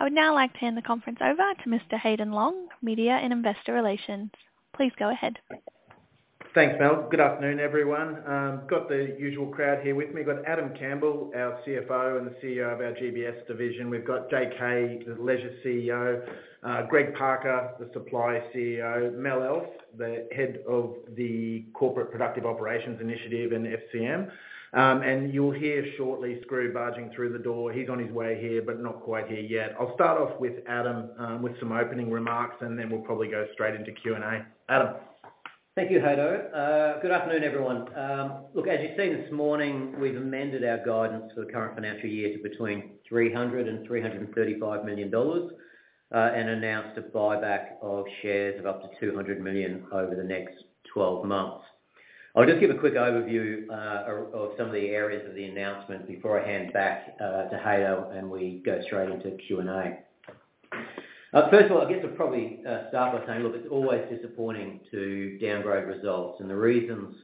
I would now like to hand the conference over to Mr. Haydn Long, Media and Investor Relations. Please go ahead. Thanks, Mel. Good afternoon, everyone. I've got the usual crowd here with me. I've got Adam Campbell, our CFO, and the CEO of our GBS division. We've got JK, the Leisure CEO; Greg Parker, the Supply CEO; Mel Elf, the Head of the Corporate Productive Operations Initiative in FCM. You'll hear shortly Scroo barging through the door. He's on his way here, but not quite here yet. I'll start off with Adam with some opening remarks, and then we'll probably go straight into Q&A. Adam. Thank you, Hedo. Good afternoon, everyone. Look, as you've seen this morning, we've amended our guidance for the current financial year to between 300 million dollars and AUD 335 million and announced a buyback of shares of up to 200 million over the next 12 months. I'll just give a quick overview of some of the areas of the announcement before I hand back to Haydn and we go straight into Q&A. First of all, I guess I'll probably start by saying, look, it's always disappointing to downgrade results, and the reasons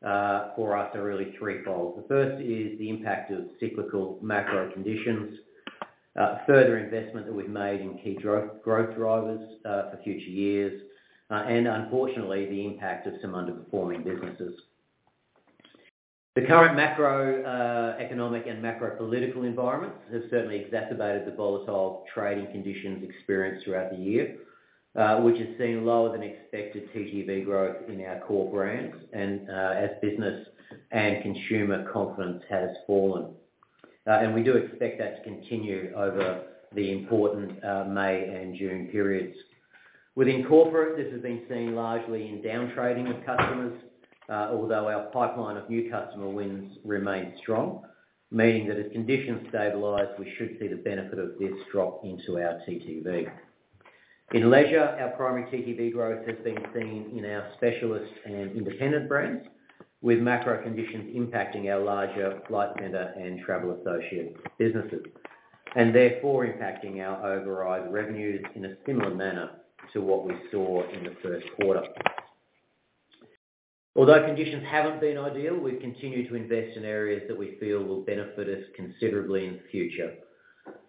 for us are really threefold. The first is the impact of cyclical macro conditions, further investment that we've made in key growth drivers for future years, and unfortunately, the impact of some underperforming businesses. The current macroeconomic and macropolitical environments have certainly exacerbated the volatile trading conditions experienced throughout the year, which has seen lower-than-expected TTV growth in our core brands, and as business and consumer confidence has fallen. We do expect that to continue over the important May and June periods. Within corporate, this has been seen largely in downtrading of customers, although our pipeline of new customer wins remains strong, meaning that as conditions stabilize, we should see the benefit of this drop into our TTV. In leisure, our primary TTV growth has been seen in our specialist and independent brands, with macro conditions impacting our larger Flight Centre and Travel Associates businesses, and therefore impacting our overrides revenues in a similar manner to what we saw in the first quarter. Although conditions haven't been ideal, we've continued to invest in areas that we feel will benefit us considerably in the future,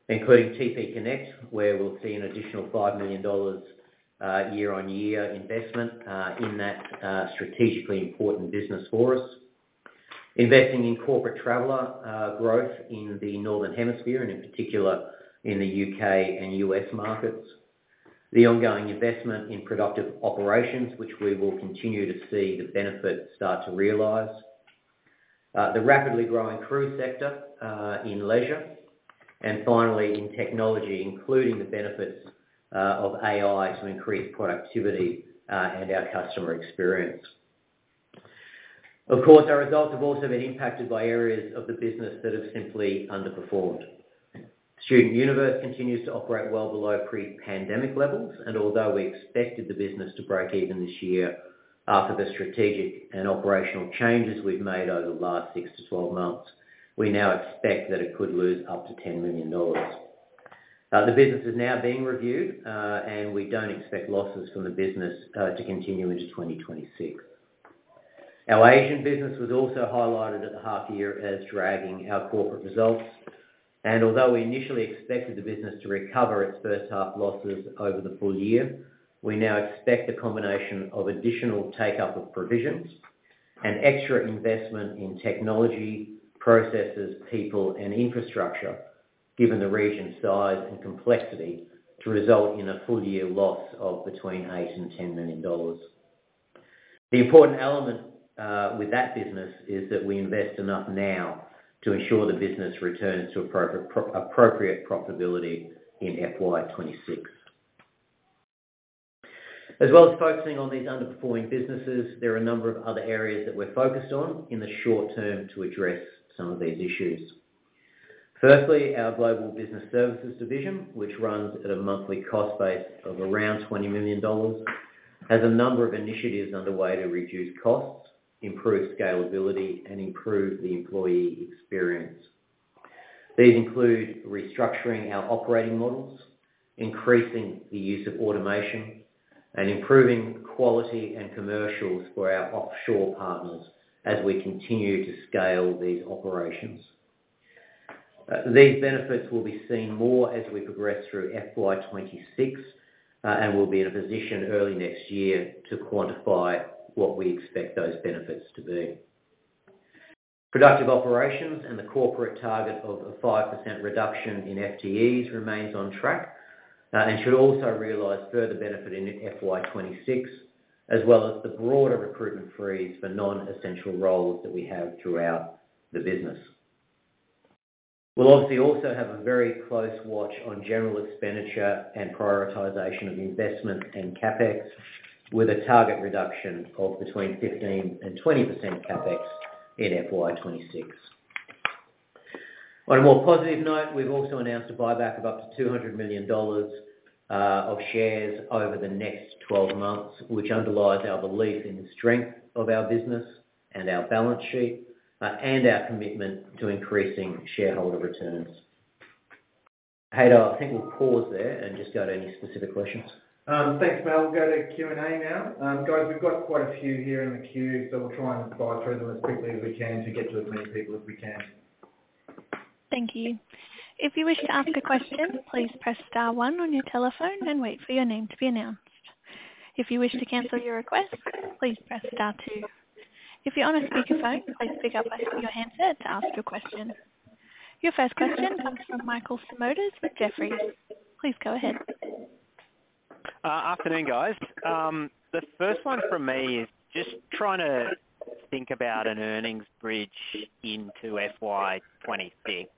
including TPConnects, where we'll see an additional 5 million dollars year-on-year investment in that strategically important business for us, investing in Corporate Traveller growth in the northern hemisphere and in particular in the U.K. and U.S. markets, the ongoing investment in productive operations, which we will continue to see the benefits start to realize, the rapidly growing cruise sector in leisure, and finally in technology, including the benefits of AI to increase productivity and our customer experience. Of course, our results have also been impacted by areas of the business that have simply underperformed. StudentUniverse continues to operate well below pre-pandemic levels, and although we expected the business to break even this year after the strategic and operational changes we've made over the last 6 to 12 months, we now expect that it could lose up to $10 million. The business is now being reviewed, and we do not expect losses from the business to continue into 2026. Our Asian business was also highlighted at the half-year as dragging our corporate results, and although we initially expected the business to recover its first half losses over the full year, we now expect a combination of additional take-up of provisions and extra investment in technology, processes, people, and infrastructure, given the region's size and complexity, to result in a full-year loss of between 8 million and 10 million dollars. The important element with that business is that we invest enough now to ensure the business returns to appropriate profitability in FY 2026. As well as focusing on these underperforming businesses, there are a number of other areas that we're focused on in the short term to address some of these issues. Firstly, our Global Business Services Division, which runs at a monthly cost base of around 20 million dollars, has a number of initiatives underway to reduce costs, improve scalability, and improve the employee experience. These include restructuring our operating models, increasing the use of automation, and improving quality and commercials for our offshore partners as we continue to scale these operations. These benefits will be seen more as we progress through FY26 and will be in a position early next year to quantify what we expect those benefits to be. Productive operations and the corporate target of a 5% reduction in FTEs remains on track and should also realize further benefit in FY 2026, as well as the broader recruitment freeze for non-essential roles that we have throughout the business. We will obviously also have a very close watch on general expenditure and prioritization of investment and CapEx, with a target reduction of between 15%-20% CapEx in FY 2026. On a more positive note, we have also announced a buyback of up to $200 million of shares over the next 12 months, which underlies our belief in the strength of our business and our balance sheet and our commitment to increasing shareholder returns. Haydn, I think we will pause there and just go to any specific questions. Thanks, Mel. We'll go to Q&A now. Guys, we've got quite a few here in the queue, so we'll try and fly through them as quickly as we can to get to as many people as we can. Thank you. If you wish to ask a question, please press star one on your telephone and wait for your name to be announced. If you wish to cancel your request, please press star two. If you're on a speakerphone, please pick up and put your hands up to ask your question. Your first question comes from Michael Simotas with Jefferies. Please go ahead. Afternoon, guys. The first one for me is just trying to think about an earnings bridge into FY 2026.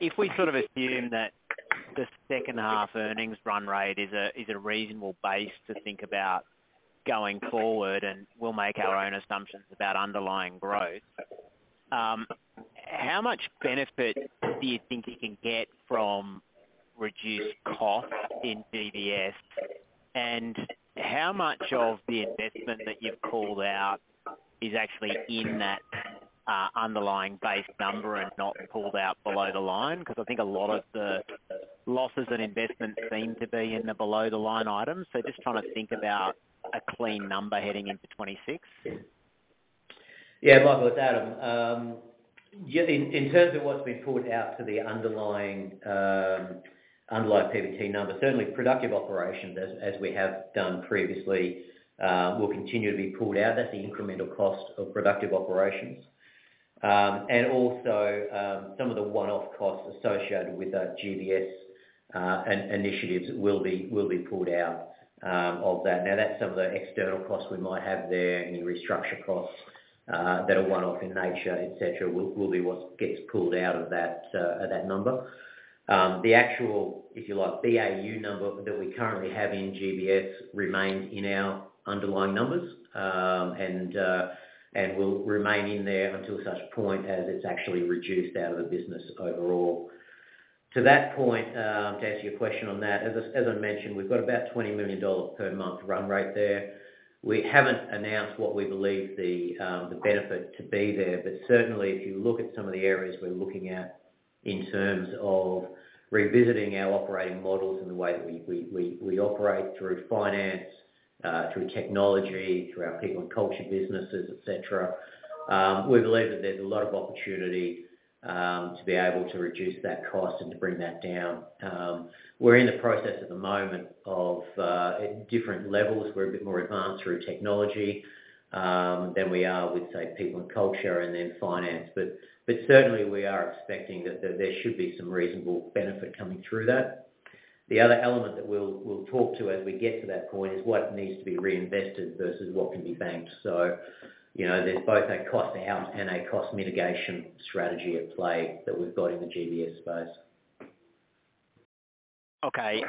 If we sort of assume that the second half earnings run rate is a reasonable base to think about going forward, and we'll make our own assumptions about underlying growth, how much benefit do you think you can get from reduced costs in GBS, and how much of the investment that you've pulled out is actually in that underlying base number and not pulled out below the line? Because I think a lot of the losses and investments seem to be in the below-the-line items, just trying to think about a clean number heading into 2026. Yeah, Michael, it's Adam. In terms of what's been pulled out to the underlying PBT number, certainly productive operations, as we have done previously, will continue to be pulled out. That's the incremental cost of productive operations. Also, some of the one-off costs associated with GBS initiatives will be pulled out of that. Now, that's some of the external costs we might have there, any restructure costs that are one-off in nature, etc., will be what gets pulled out of that number. The actual, if you like, BAU number that we currently have in GBS remains in our underlying numbers and will remain in there until such a point as it's actually reduced out of the business overall. To that point, to answer your question on that, as I mentioned, we've got about 20 million dollars per month run rate there. We haven't announced what we believe the benefit to be there, but certainly, if you look at some of the areas we're looking at in terms of revisiting our operating models and the way that we operate through finance, through technology, through our people and culture businesses, etc., we believe that there's a lot of opportunity to be able to reduce that cost and to bring that down. We're in the process at the moment of different levels. We're a bit more advanced through technology than we are with, say, people and culture and then finance, but certainly, we are expecting that there should be some reasonable benefit coming through that. The other element that we'll talk to as we get to that point is what needs to be reinvested versus what can be banked. There is both a cost-out and a cost mitigation strategy at play that we've got in the GBS space. Okay.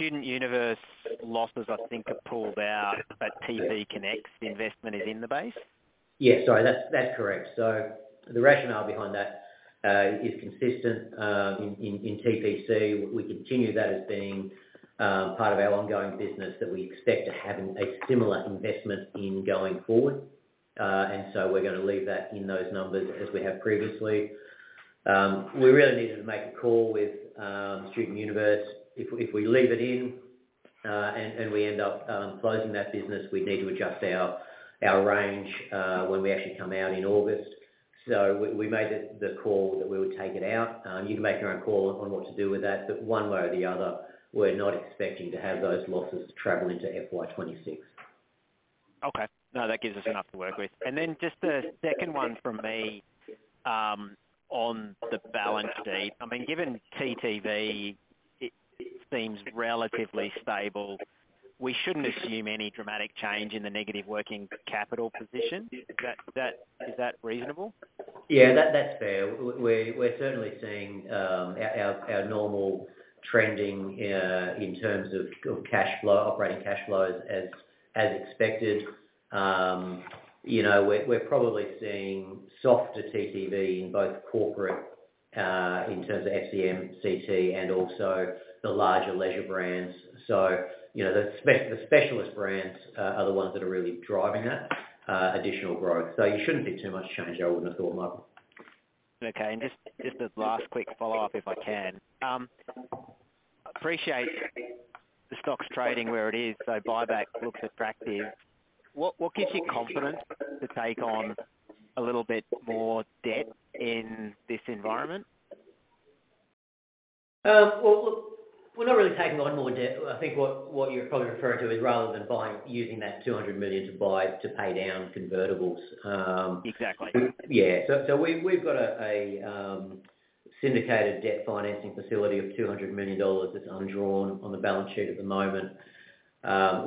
StudentUniverse losses, I think, are pulled out, but TPConnects investment is in the base? Yes, sorry. That's correct. The rationale behind that is consistent. In TPC, we continue that as being part of our ongoing business that we expect to have a similar investment in going forward, and we are going to leave that in those numbers as we have previously. We really needed to make a call with StudentUniverse. If we leave it in and we end up closing that business, we would need to adjust our range when we actually come out in August. We made the call that we would take it out. You can make your own call on what to do with that, but one way or the other, we are not expecting to have those losses travel into FY 2026. Okay. No, that gives us enough to work with. And then just the second one for me on the balance sheet. I mean, given TTV, it seems relatively stable. We should not assume any dramatic change in the negative working capital position. Is that reasonable? Yeah, that's fair. We're certainly seeing our normal trending in terms of operating cash flow as expected. We're probably seeing softer TTV in both corporate in terms of FCM, CT, and also the larger leisure brands. The specialist brands are the ones that are really driving that additional growth. You shouldn't see too much change, I wouldn't have thought, Michael. Okay. Just a last quick follow-up, if I can. I appreciate the stock's trading where it is, so buyback looks attractive. What gives you confidence to take on a little bit more debt in this environment? Look, we're not really taking on more debt. I think what you're probably referring to is rather than using that 200 million to pay down convertibles. Exactly. Yeah. We have a syndicated debt financing facility of 200 million dollars that is undrawn on the balance sheet at the moment.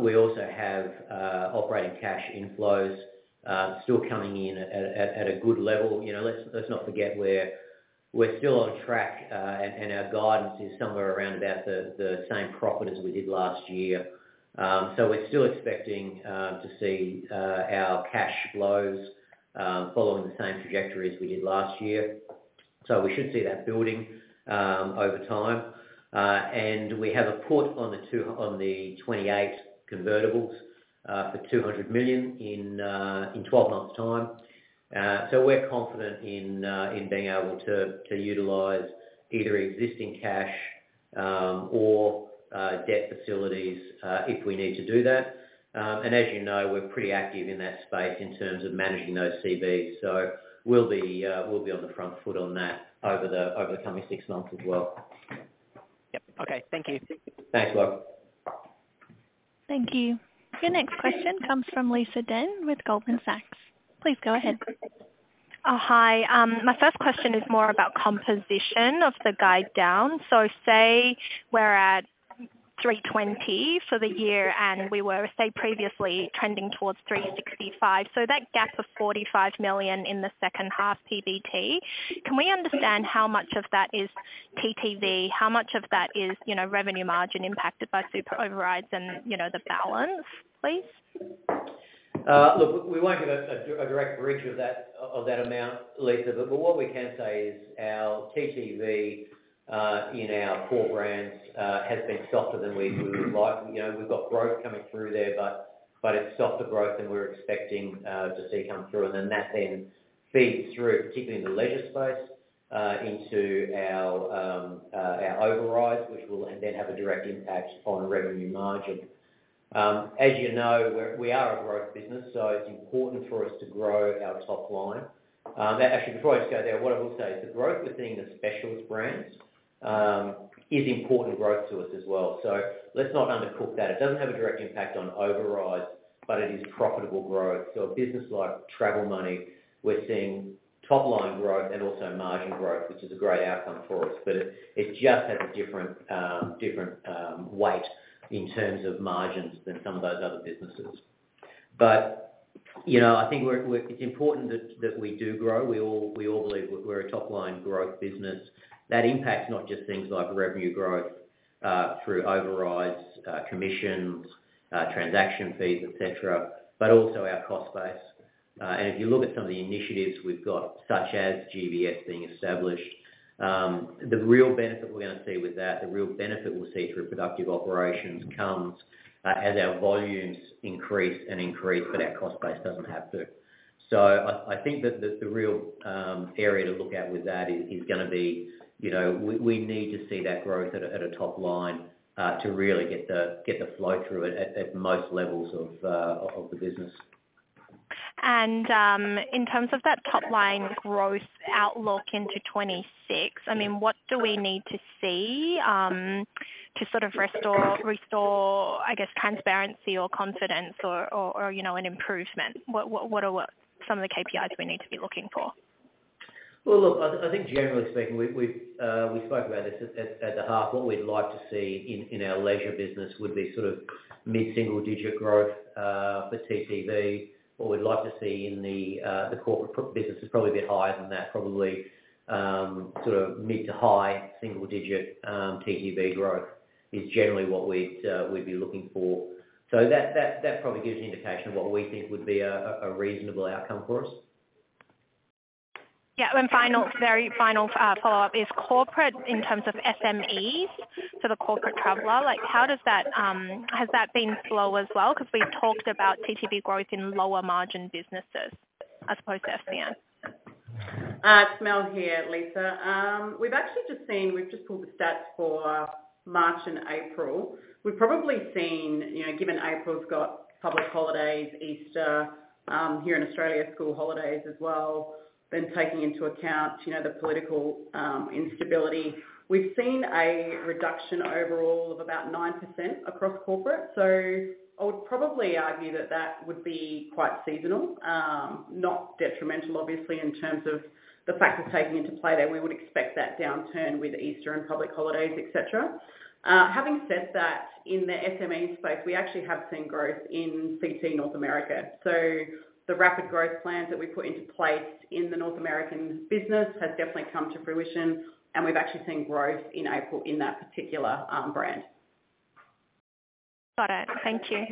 We also have operating cash inflows still coming in at a good level. Let's not forget we're still on track, and our guidance is somewhere around about the same profit as we did last year. We're still expecting to see our cash flows following the same trajectory as we did last year. We should see that building over time. We have a put on the 2028 convertibles for 200 million in 12 months' time. We're confident in being able to utilize either existing cash or debt facilities if we need to do that. As you know, we're pretty active in that space in terms of managing those CBs. We'll be on the front foot on that over the coming six months as well. Yep. Okay. Thank you. Thanks, Michael. Thank you. Your next question comes from Lisa Deng with Goldman Sachs. Please go ahead. Hi. My first question is more about composition of the guide down. Say we're at $320 million for the year and we were, say, previously trending towards $365 million. That gap of $45 million in the second half PBT, can we understand how much of that is TTV, how much of that is revenue margin impacted by super overrides, and the balance, please? Look, we won't get a direct breach of that amount, Lisa, but what we can say is our TTV in our core brands has been softer than we would like. We've got growth coming through there, but it's softer growth than we're expecting to see come through. That then feeds through, particularly in the leisure space, into our overrides, which will then have a direct impact on revenue margin. As you know, we are a growth business, so it's important for us to grow our top line. Actually, before I just go there, what I will say is the growth we're seeing in the specialist brands is important growth to us as well. Let's not undercook that. It doesn't have a direct impact on overrides, but it is profitable growth. A business like Travel Money, we're seeing top-line growth and also margin growth, which is a great outcome for us, but it just has a different weight in terms of margins than some of those other businesses. I think it's important that we do grow. We all believe we're a top-line growth business. That impacts not just things like revenue growth through overrides, commissions, transaction fees, etc., but also our cost base. If you look at some of the initiatives we've got, such as GBS being established, the real benefit we're going to see with that, the real benefit we'll see through productive operations comes as our volumes increase and increase, but our cost base doesn't have to. I think that the real area to look at with that is going to be we need to see that growth at a top line to really get the flow through it at most levels of the business. In terms of that top-line growth outlook into 2026, I mean, what do we need to see to sort of restore, I guess, transparency or confidence or an improvement? What are some of the KPIs we need to be looking for? I think generally speaking, we spoke about this at the heart. What we'd like to see in our leisure business would be sort of mid-single-digit growth for TTV. What we'd like to see in the corporate business is probably a bit higher than that. Probably sort of mid to high single-digit TTV growth is generally what we'd be looking for. That probably gives an indication of what we think would be a reasonable outcome for us. Yeah. Final follow-up is corporate in terms of SMEs, so the Corporate Traveller. How has that been slow as well? Because we've talked about TTV growth in lower-margin businesses, as opposed to FCM. Smell here, Lisa. We've actually just seen we've just pulled the stats for March and April. We've probably seen, given April's got public holidays, Easter, here in Australia, school holidays as well, then taking into account the political instability, we've seen a reduction overall of about 9% across corporate. I would probably argue that that would be quite seasonal, not detrimental, obviously, in terms of the factors taking into play there. We would expect that downturn with Easter and public holidays, etc. Having said that, in the SME space, we actually have seen growth in CT North America. The rapid growth plans that we put into place in the North American business have definitely come to fruition, and we've actually seen growth in April in that particular brand. Got it. Thank you.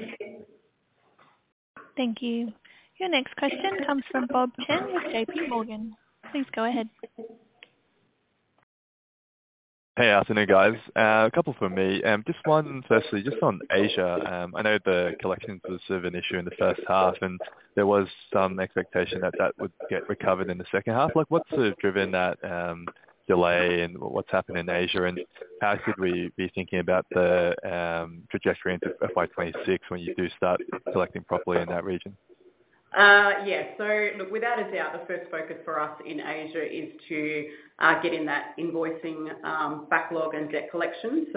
Thank you. Your next question comes from Bob Chen with JP Morgan. Please go ahead. Hey, afternoon, guys. A couple for me. Just one firstly, just on Asia. I know the collections were sort of an issue in the first half, and there was some expectation that that would get recovered in the second half. What's sort of driven that delay, and what's happened in Asia, and how should we be thinking about the trajectory into FY 2026 when you do start collecting properly in that region? Yeah. Look, without a doubt, the first focus for us in Asia is to get in that invoicing backlog and debt collection.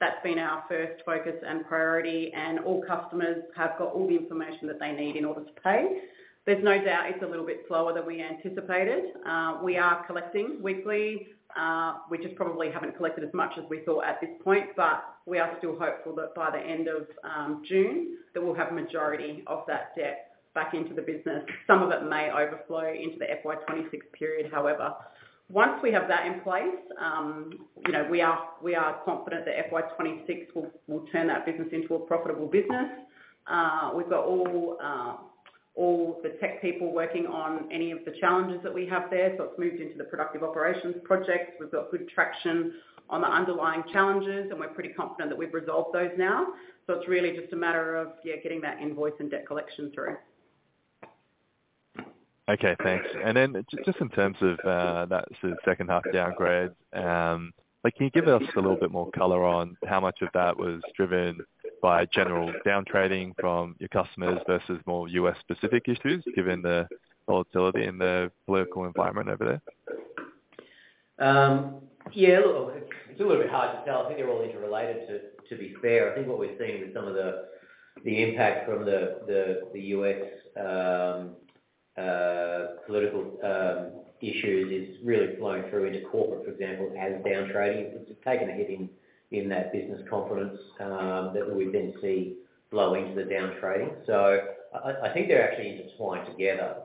That has been our first focus and priority, and all customers have got all the information that they need in order to pay. There is no doubt it is a little bit slower than we anticipated. We are collecting weekly. We just probably have not collected as much as we thought at this point, but we are still hopeful that by the end of June, we will have a majority of that debt back into the business. Some of it may overflow into the FY 2026 period, however. Once we have that in place, we are confident that FY 2026 will turn that business into a profitable business. We have got all the tech people working on any of the challenges that we have there, so it has moved into the productive operations projects. We've got good traction on the underlying challenges, and we're pretty confident that we've resolved those now. It's really just a matter of getting that invoice and debt collection through. Okay. Thanks. In terms of that sort of second half downgrade, can you give us a little bit more color on how much of that was driven by general downtrading from your customers versus more US-specific issues, given the volatility in the political environment over there? Yeah. Look, it's a little bit hard to tell. I think they're all interrelated, to be fair. I think what we've seen with some of the impact from the U.S. political issues is really flowing through into corporate, for example, as downtrading. It's taken a hit in that business confidence that we've been seeing flow into the downtrading. I think they're actually intertwined together.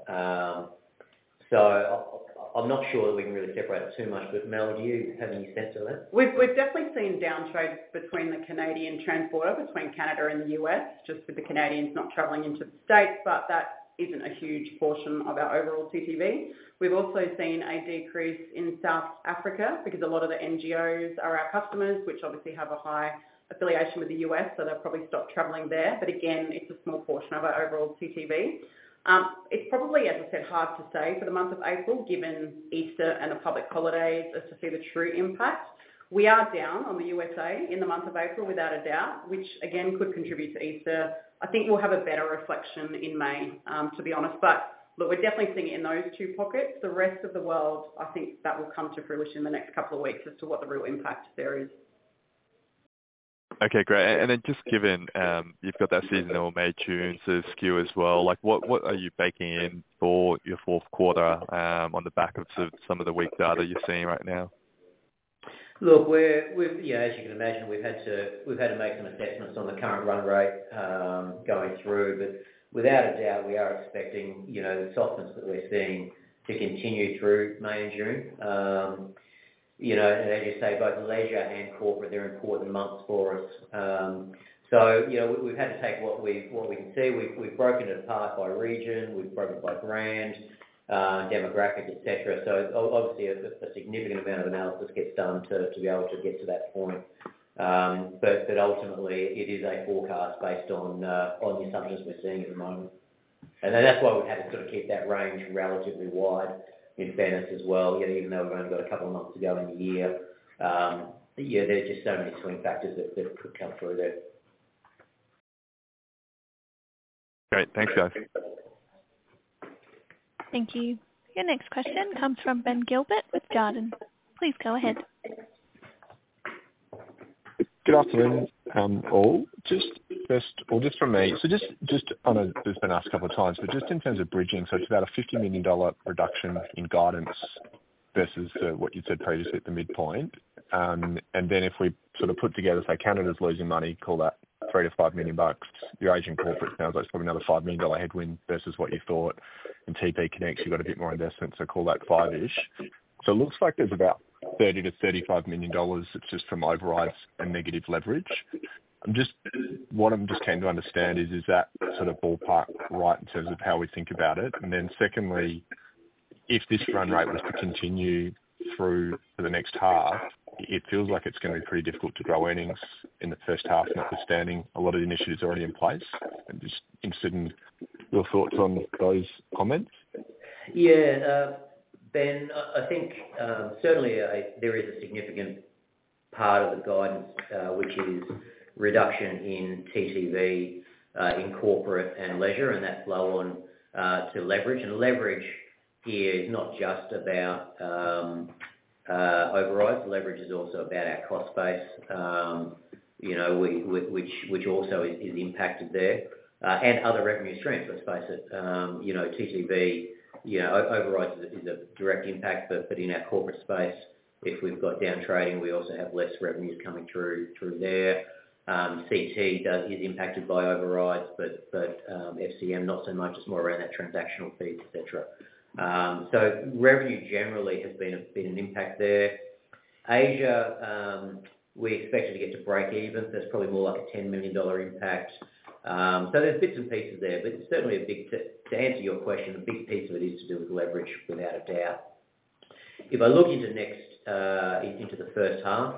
I'm not sure that we can really separate it too much, but Mel, do you have any sense of that? We've definitely seen downtrades between the Canadian transporter, between Canada and the U.S., just with the Canadians not traveling into the states, but that isn't a huge portion of our overall TTV. We've also seen a decrease in South Africa because a lot of the NGOs are our customers, which obviously have a high affiliation with the U.S., so they've probably stopped traveling there. Again, it's a small portion of our overall TTV. It's probably, as I said, hard to say for the month of April, given Easter and the public holidays, as to see the true impact. We are down on the U.S.A. in the month of April, without a doubt, which again could contribute to Easter. I think we'll have a better reflection in May, to be honest. Look, we're definitely seeing it in those two pockets. The rest of the world, I think that will come to fruition in the next couple of weeks as to what the real impact there is. Okay. Great. Just given you've got that seasonal May, June sort of skew as well, what are you baking in for your fourth quarter on the back of some of the weak data you're seeing right now? Look, yeah, as you can imagine, we've had to make some assessments on the current run rate going through. Without a doubt, we are expecting the softness that we're seeing to continue through May and June. As you say, both leisure and corporate, they're important months for us. We've had to take what we can see. We've broken it apart by region. We've broken it by brand, demographic, etc. Obviously, a significant amount of analysis gets done to be able to get to that point. Ultimately, it is a forecast based on the assumptions we're seeing at the moment. That's why we've had to sort of keep that range relatively wide in fairness as well, even though we've only got a couple of months to go in the year. Yeah, there are just so many swing factors that could come through there. Great. Thanks, guys. Thank you. Your next question comes from Ben Gilbert with Jarden. Please go ahead. Good afternoon, all. Just first, or just for me. Just on a, this has been asked a couple of times, but just in terms of bridging, it is about a 50 million dollar reduction in guidance versus what you had said previously at the midpoint. If we sort of put together, say, Canada's losing money, call that 3 million-5 million bucks. Your Asian corporate sounds like it is probably another 5 million dollar headwind versus what you thought. TP Connect, you have got a bit more investment, so call that AUD 5-ish. It looks like there is about 30 million-35 million dollars that is just from overrides and negative leverage. What I am just keen to understand is, is that sort of ballpark right in terms of how we think about it? If this run rate was to continue through the next half, it feels like it's going to be pretty difficult to grow earnings in the first half, notwithstanding a lot of initiatives already in place. I'm just interested in your thoughts on those comments. Yeah. Ben, I think certainly there is a significant part of the guidance, which is reduction in TTV in corporate and leisure, and that flow on to leverage. Leverage here is not just about overrides. Leverage is also about our cost base, which also is impacted there, and other revenue streams, let's face it. TTV, overrides is a direct impact, but in our corporate space, if we've got downtrading, we also have less revenues coming through there. CT is impacted by overrides, but FCM not so much. It's more around that transactional fees, etc. Revenue generally has been an impact there. Asia, we expect it to get to break even. There's probably more like a 10 million dollar impact. There's bits and pieces there, but certainly to answer your question, a big piece of it is to do with leverage, without a doubt. If I look into the first half,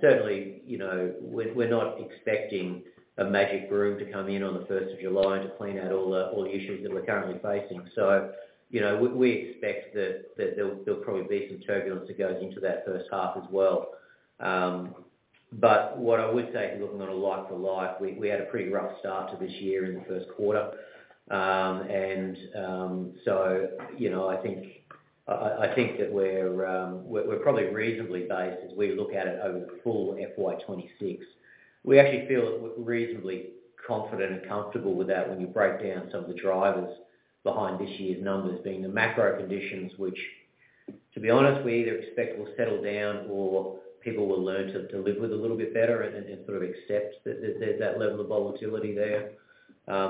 certainly we're not expecting a magic broom to come in on the 1st of July and to clean out all the issues that we're currently facing. We expect that there'll probably be some turbulence that goes into that first half as well. What I would say is looking on a like-for-like, we had a pretty rough start to this year in the first quarter. I think that we're probably reasonably based as we look at it over the full FY26. We actually feel reasonably confident and comfortable with that when you break down some of the drivers behind this year's numbers being the macro conditions, which, to be honest, we either expect will settle down or people will learn to live with a little bit better and sort of accept that there's that level of volatility there.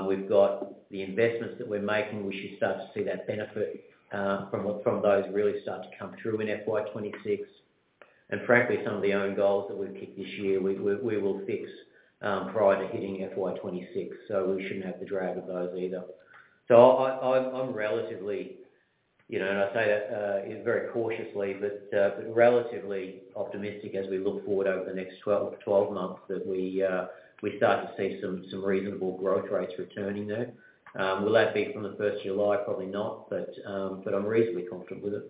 We've got the investments that we're making, we should start to see that benefit from those really start to come through in FY 2026. Frankly, some of the own goals that we've kicked this year, we will fix prior to hitting FY 2026, so we shouldn't have to drag with those either. I'm relatively, and I say that very cautiously, but relatively optimistic as we look forward over the next 12 months that we start to see some reasonable growth rates returning there. Will that be from the 1st of July? Probably not, but I'm reasonably comfortable with it.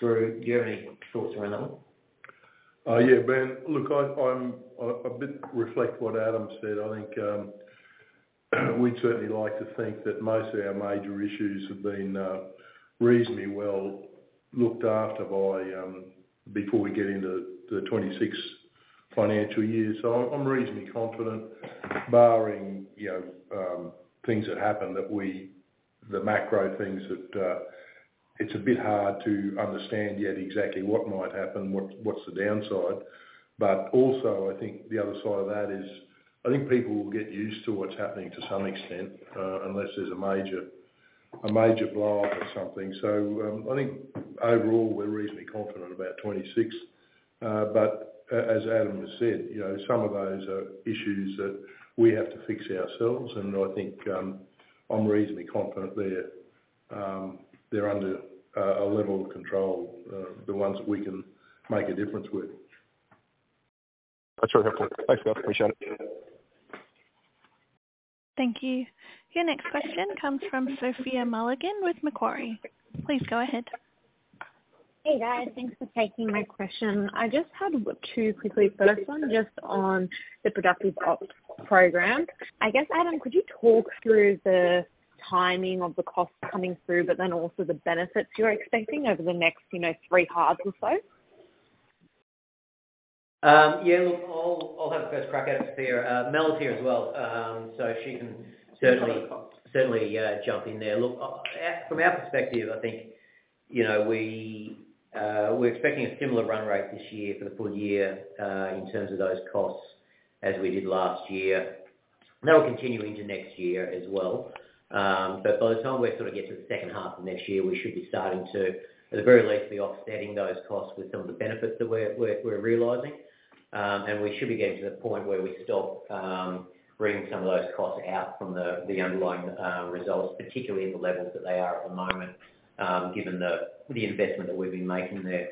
Scroo, do you have any thoughts around that one? Yeah, Ben, look, I'm a bit reflecting on what Adam said. I think we'd certainly like to think that most of our major issues have been reasonably well looked after before we get into the 2026 financial year. I'm reasonably confident, barring things that happen that we, the macro things that it's a bit hard to understand yet exactly what might happen, what's the downside. I think the other side of that is I think people will get used to what's happening to some extent unless there's a major blow-up or something. I think overall, we're reasonably confident about 2026. As Adam has said, some of those are issues that we have to fix ourselves, and I think I'm reasonably confident they're under a level of control, the ones that we can make a difference with. That's really helpful. Thanks, guys. Appreciate it. Thank you. Your next question comes from Sophia Mulligan with Macquarie. Please go ahead. Hey, guys. Thanks for taking my question. I just had two quickly. First one, just on the productive ops program. I guess, Adam, could you talk through the timing of the costs coming through, but then also the benefits you're expecting over the next three halves or so? Yeah. Look, I'll have a first crack at it. Mel's here as well, so she can certainly jump in there. Look, from our perspective, I think we're expecting a similar run rate this year for the full year in terms of those costs as we did last year. That will continue into next year as well. By the time we sort of get to the second half of next year, we should be starting to, at the very least, be offsetting those costs with some of the benefits that we're realizing. We should be getting to the point where we stop bringing some of those costs out from the underlying results, particularly at the levels that they are at the moment, given the investment that we've been making there.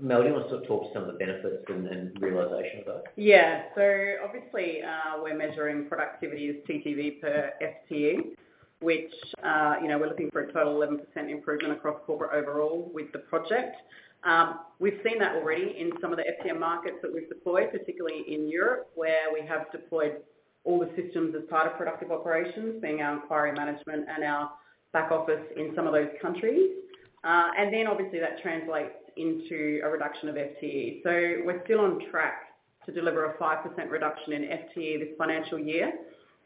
Mel, do you want to sort of talk to some of the benefits and realization of those? Yeah. So obviously, we're measuring productivity as TTV per FTE, which we're looking for a total 11% improvement across corporate overall with the project. We've seen that already in some of the FCM markets that we've deployed, particularly in Europe, where we have deployed all the systems as part of productive operations, being our inquiry management and our back office in some of those countries. That translates into a reduction of FTE. We're still on track to deliver a 5% reduction in FTE this financial year,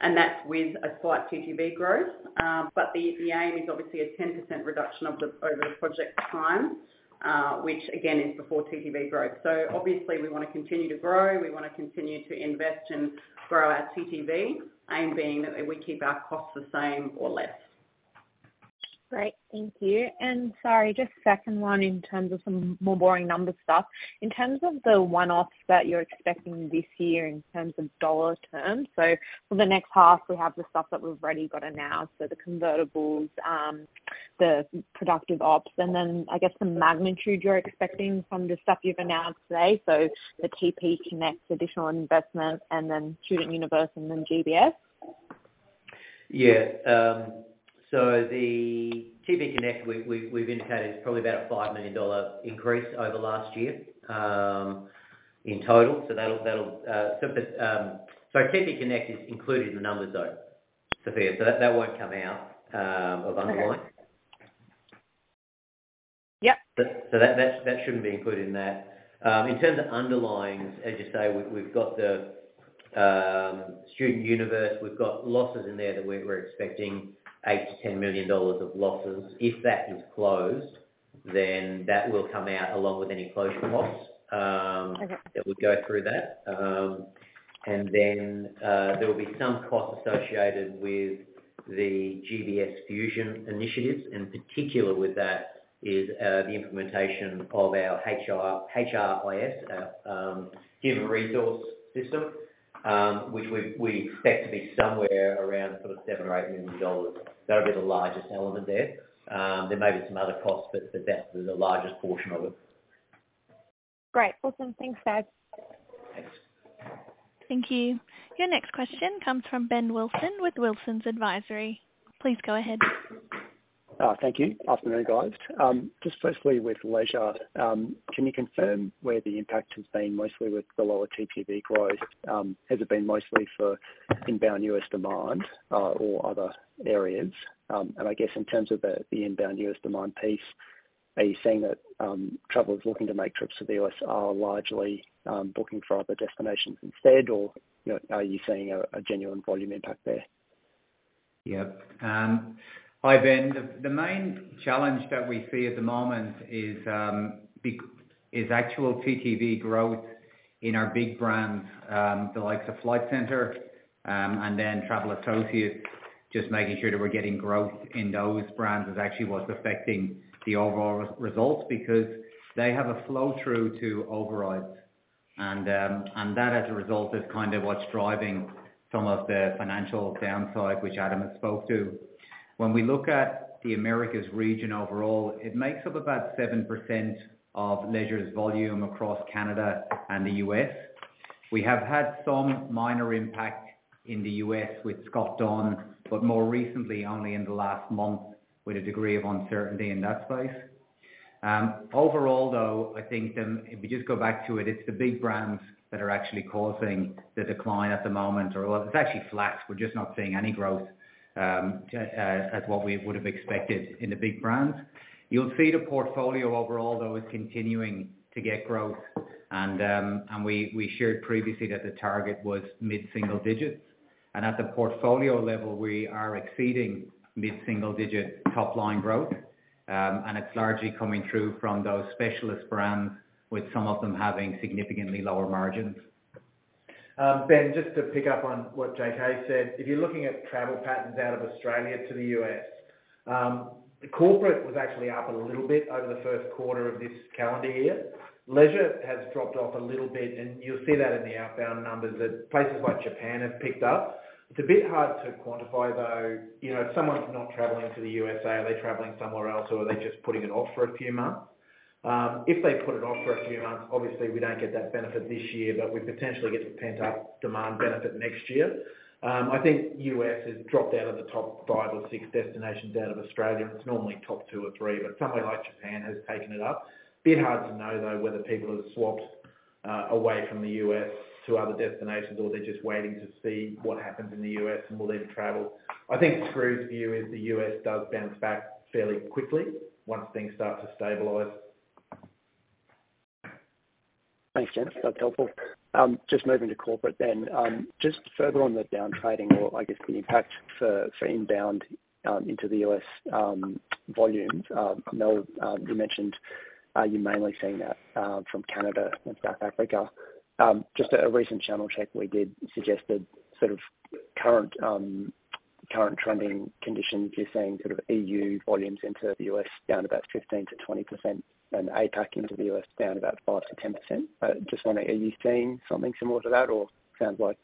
and that's with a slight TTV growth. The aim is a 10% reduction over the project time, which again is before TTV growth. We want to continue to grow. We want to continue to invest and grow our TTV, aim being that we keep our costs the same or less. Great. Thank you. Sorry, just second one in terms of some more boring number stuff. In terms of the one-offs that you're expecting this year in terms of dollar terms, for the next half, we have the stuff that we've already got announced, so the convertibles, the productive ops, and then I guess the magnitude you're expecting from the stuff you've announced today, so the TP Connect, additional investment, and then StudentUniverse, and then GBS? Yeah. TP Connect, we've indicated it's probably about a 5 million dollar increase over last year in total. TP Connect is included in the numbers, though, Sophia. That won't come out of underlying. Yep. That should not be included in that. In terms of underlying, as you say, we have got StudentUniverse. We have got losses in there that we are expecting 8 million-10 million dollars of losses. If that is closed, then that will come out along with any closure costs that would go through that. There will be some costs associated with the GBS fusion initiatives. In particular with that is the implementation of our HRIS, human resource system, which we expect to be somewhere around 7 million-8 million dollars. That will be the largest element there. There may be some other costs, but that is the largest portion of it. Great. Awesome. Thanks, guys. Thanks. Thank you. Your next question comes from Ben Wilson with Wilsons Advisory. Please go ahead. Thank you. Afternoon, guys. Just firstly with leisure, can you confirm where the impact has been mostly with the lower TTV growth? Has it been mostly for inbound U.S. demand or other areas? I guess in terms of the inbound U.S. demand piece, are you seeing that travelers looking to make trips to the U.S. are largely booking for other destinations instead, or are you seeing a genuine volume impact there? Yep. Hi, Ben. The main challenge that we see at the moment is actual TTV growth in our big brands, the likes of Flight Centre and then Travel Associates, just making sure that we're getting growth in those brands is actually what's affecting the overall results because they have a flow through to overrides. That, as a result, is kind of what's driving some of the financial downside which Adam has spoke to. When we look at the Americas region overall, it makes up about 7% of leisure's volume across Canada and the US. We have had some minor impact in the U.S. with Scott Dunn, but more recently, only in the last month, with a degree of uncertainty in that space. Overall, though, I think if we just go back to it, it's the big brands that are actually causing the decline at the moment. It's actually flat. We're just not seeing any growth as what we would have expected in the big brands. You'll see the portfolio overall, though, is continuing to get growth. We shared previously that the target was mid-single digits. At the portfolio level, we are exceeding mid-single digit top-line growth. It's largely coming through from those specialist brands, with some of them having significantly lower margins. Ben, just to pick up on what JK said, if you're looking at travel patterns out of Australia to the U.S., corporate was actually up a little bit over the first quarter of this calendar year. Leisure has dropped off a little bit, and you'll see that in the outbound numbers that places like Japan have picked up. It's a bit hard to quantify, though. If someone's not traveling to the U.S., are they traveling somewhere else, or are they just putting it off for a few months? If they put it off for a few months, obviously, we don't get that benefit this year, but we potentially get the pent-up demand benefit next year. I think U.S. has dropped out of the top five or six destinations out of Australia. It's normally top two or three, but somewhere like Japan has taken it up. Bit hard to know, though, whether people have swapped away from the U.S. to other destinations or they're just waiting to see what happens in the U.S. and will then travel. I think Scoo's view is the U.S. does bounce back fairly quickly once things start to stabilize. Thanks, James. That's helpful. Just moving to corporate then, just further on the downtrading or, I guess, the impact for inbound into the U.S. volumes, Mel, you mentioned you're mainly seeing that from Canada and South Africa. Just a recent channel check we did suggested sort of current trending conditions. You're seeing sort of EU volumes into the U.S. down about 15%-20% and APAC into the U.S. down about 5%-10%. Just wondering, are you seeing something similar to that, or sounds like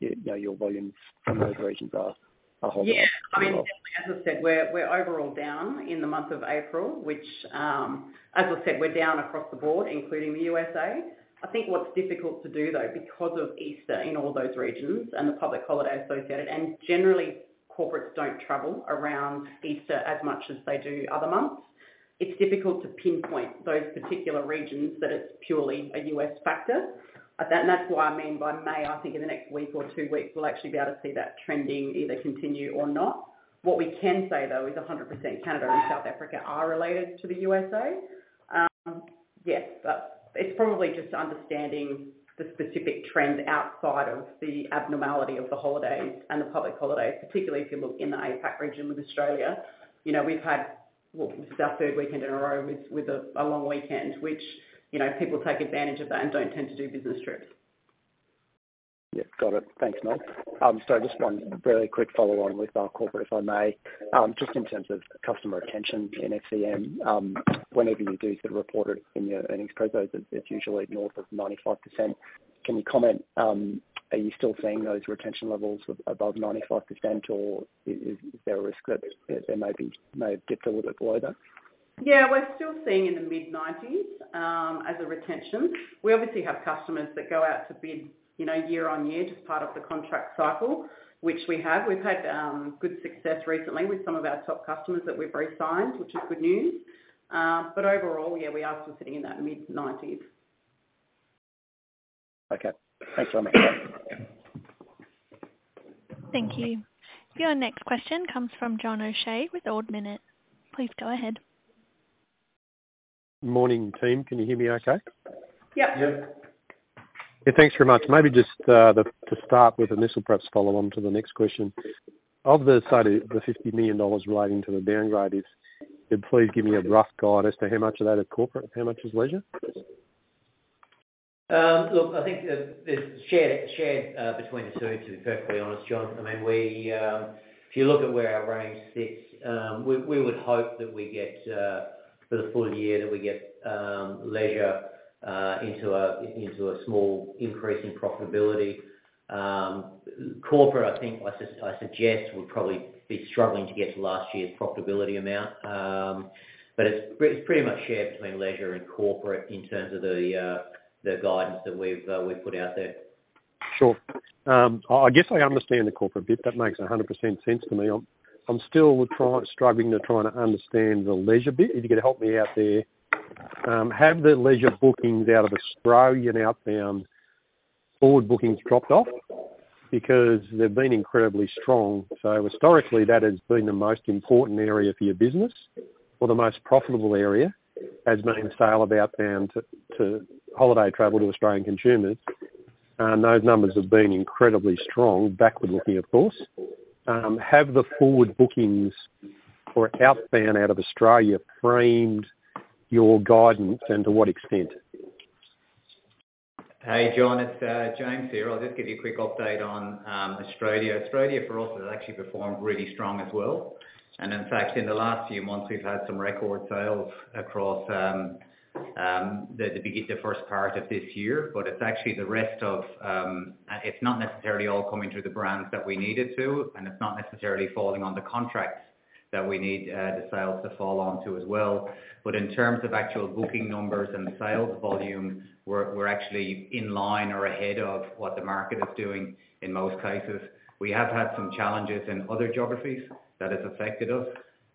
your volumes from those regions are holding up? Yeah. I mean, definitely, as I said, we're overall down in the month of April, which, as I said, we're down across the board, including the U.S. I think what's difficult to do, though, because of Easter in all those regions and the public holiday associated, and generally, corporates don't travel around Easter as much as they do other months, it's difficult to pinpoint those particular regions that it's purely a U.S. factor. That is why I mean by May, I think in the next week or two weeks, we'll actually be able to see that trending either continue or not. What we can say, though, is 100% Canada and South Africa are related to the USA. Yes, but it's probably just understanding the specific trend outside of the abnormality of the holidays and the public holidays, particularly if you look in the APAC region with Australia. We've had, well, this is our third weekend in a row with a long weekend, which people take advantage of that and don't tend to do business trips. Yeah. Got it. Thanks, Mel. Just one very quick follow-on with our corporate, if I may, just in terms of customer retention in FCM. Whenever you do sort of report it in your earnings proposals, it's usually north of 95%. Can you comment, are you still seeing those retention levels above 95%, or is there a risk that they may dip a little bit below that? Yeah. We're still seeing in the mid-90s as a retention. We obviously have customers that go out to bid year on year just part of the contract cycle, which we have. We've had good success recently with some of our top customers that we've re-signed, which is good news. Overall, yeah, we are still sitting in that mid-90s. Okay. Thanks very much. Thank you. Your next question comes from John O'Shea with Ord Minnett. Please go ahead. Morning, team. Can you hear me okay? Yep. Yep. Yeah. Thanks very much. Maybe just to start with, and this will perhaps follow on to the next question. Of the 50 million dollars relating to the downgrade, please give me a rough guide as to how much of that is corporate, how much is leisure? Look, I think it's shared between the two, to be perfectly honest, John. I mean, if you look at where our range sits, we would hope that for the full year that we get leisure into a small increase in profitability. Corporate, I think, I suggest, would probably be struggling to get to last year's profitability amount. It's pretty much shared between leisure and corporate in terms of the guidance that we've put out there. Sure. I guess I understand the corporate bit. That makes 100% sense to me. I'm still struggling to try to understand the leisure bit. If you could help me out there, have the leisure bookings out of Australia and outbound forward bookings dropped off because they've been incredibly strong. Historically, that has been the most important area for your business or the most profitable area as main sale of outbound to holiday travel to Australian consumers. Those numbers have been incredibly strong, backward-looking, of course. Have the forward bookings or outbound out of Australia framed your guidance and to what extent? Hey, John, it's James here. I'll just give you a quick update on Australia. Australia for us has actually performed really strong as well. In fact, in the last few months, we've had some record sales across the first part of this year. It's not necessarily all coming through the brands that we need it to, and it's not necessarily falling on the contracts that we need the sales to fall onto as well. In terms of actual booking numbers and sales volume, we're actually in line or ahead of what the market is doing in most cases. We have had some challenges in other geographies that have affected us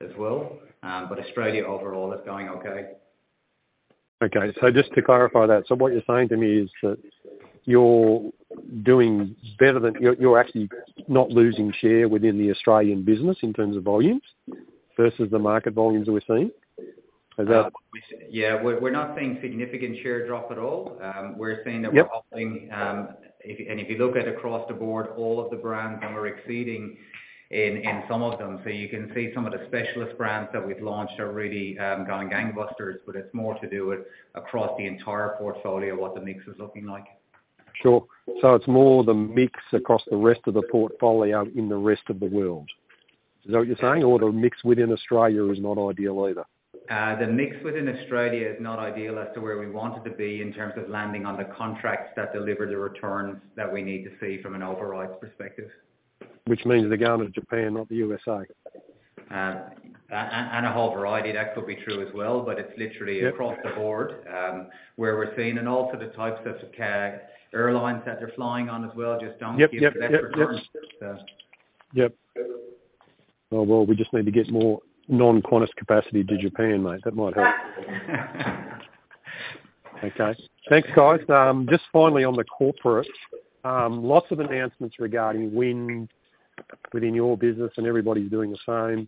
as well. Australia overall is going okay. Okay. Just to clarify that, what you're saying to me is that you're doing better than you're actually not losing share within the Australian business in terms of volumes versus the market volumes that we're seeing. Is that? Yeah. We're not seeing significant share drop at all. We're seeing that we're hoping and if you look at across the board, all of the brands that we're exceeding in some of them. You can see some of the specialist brands that we've launched are really going gangbusters, but it's more to do with across the entire portfolio what the mix is looking like. Sure. It is more the mix across the rest of the portfolio in the rest of the world. Is that what you are saying? Or the mix within Australia is not ideal either? The mix within Australia is not ideal as to where we want it to be in terms of landing on the contracts that deliver the returns that we need to see from an overrides perspective. Which means the guy in Japan, not the U.S. A whole variety. That could be true as well, but it's literally across the board where we're seeing. Also, the types of airlines that they're flying on as well just don't give you the best returns, so. Yep. We just need to get more non-quantitative capacity to Japan, mate. That might help. Okay. Thanks, guys. Just finally on the corporate, lots of announcements regarding wind within your business, and everybody's doing the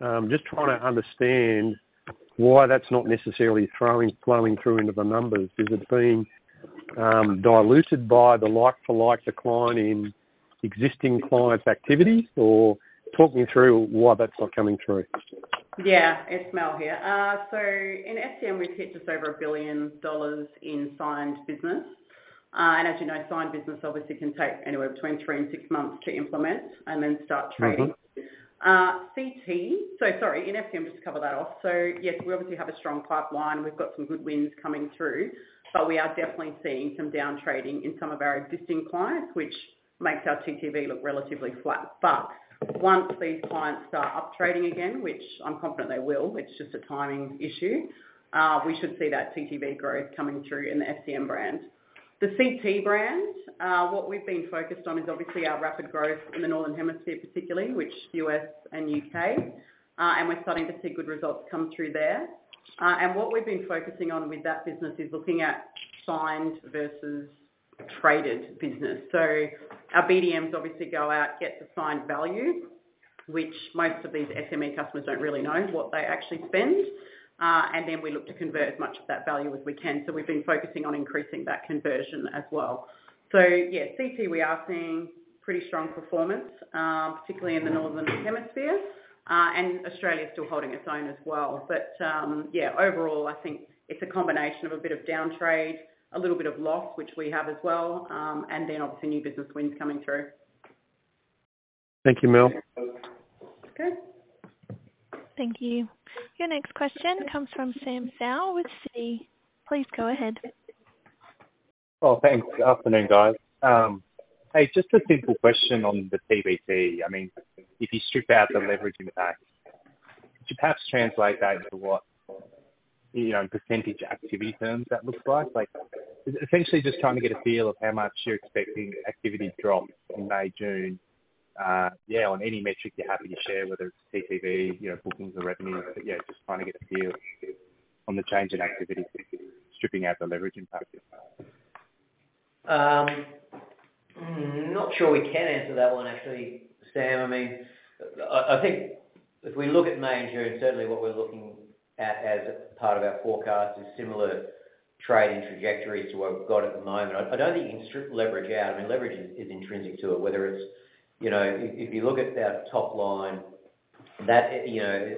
same. Just trying to understand why that's not necessarily flowing through into the numbers. Is it being diluted by the like-for-like decline in existing clients' activities or talk me through why that's not coming through? Yeah. It's Mel here. In FCM, we've hit just over 1 billion dollars in signed business. As you know, signed business obviously can take anywhere between three and six months to implement and then start trading. CT, sorry. In FCM, just to cover that off. Yes, we obviously have a strong pipeline. We've got some good wins coming through, but we are definitely seeing some downtrading in some of our existing clients, which makes our TTV look relatively flat. Once these clients start uptrading again, which I'm confident they will, it's just a timing issue, we should see that TTV growth coming through in the FCM brand. The CT brand, what we've been focused on is obviously our rapid growth in the Northern Hemisphere, particularly, which is U.S. and U.K. We're starting to see good results come through there. What we've been focusing on with that business is looking at signed versus traded business. Our BDMs obviously go out, get the signed value, which most of these SME customers do not really know what they actually spend. We look to convert as much of that value as we can. We've been focusing on increasing that conversion as well. CT, we are seeing pretty strong performance, particularly in the Northern Hemisphere. Australia is still holding its own as well. Overall, I think it's a combination of a bit of downtrade, a little bit of loss, which we have as well, and obviously new business wins coming through. Thank you, Mel. Okay. Thank you. Your next question comes from Sam Seow with Citi. Please go ahead. Oh, thanks. Good afternoon, guys. Hey, just a simple question on the PBT. I mean, if you strip out the leveraging tax, could you perhaps translate that into what in percentage activity terms that looks like? Essentially, just trying to get a feel of how much you're expecting activity drops in May, June. Yeah, on any metric you're happy to share, whether it's TTV, bookings, or revenues. Yeah, just trying to get a feel on the change in activity stripping out the leveraging factor. Not sure we can answer that one, actually, Sam. I mean, I think if we look at May and June, certainly what we're looking at as part of our forecast is similar trading trajectories to what we've got at the moment. I don't think you can strip leverage out. I mean, leverage is intrinsic to it, whether it's if you look at our top line,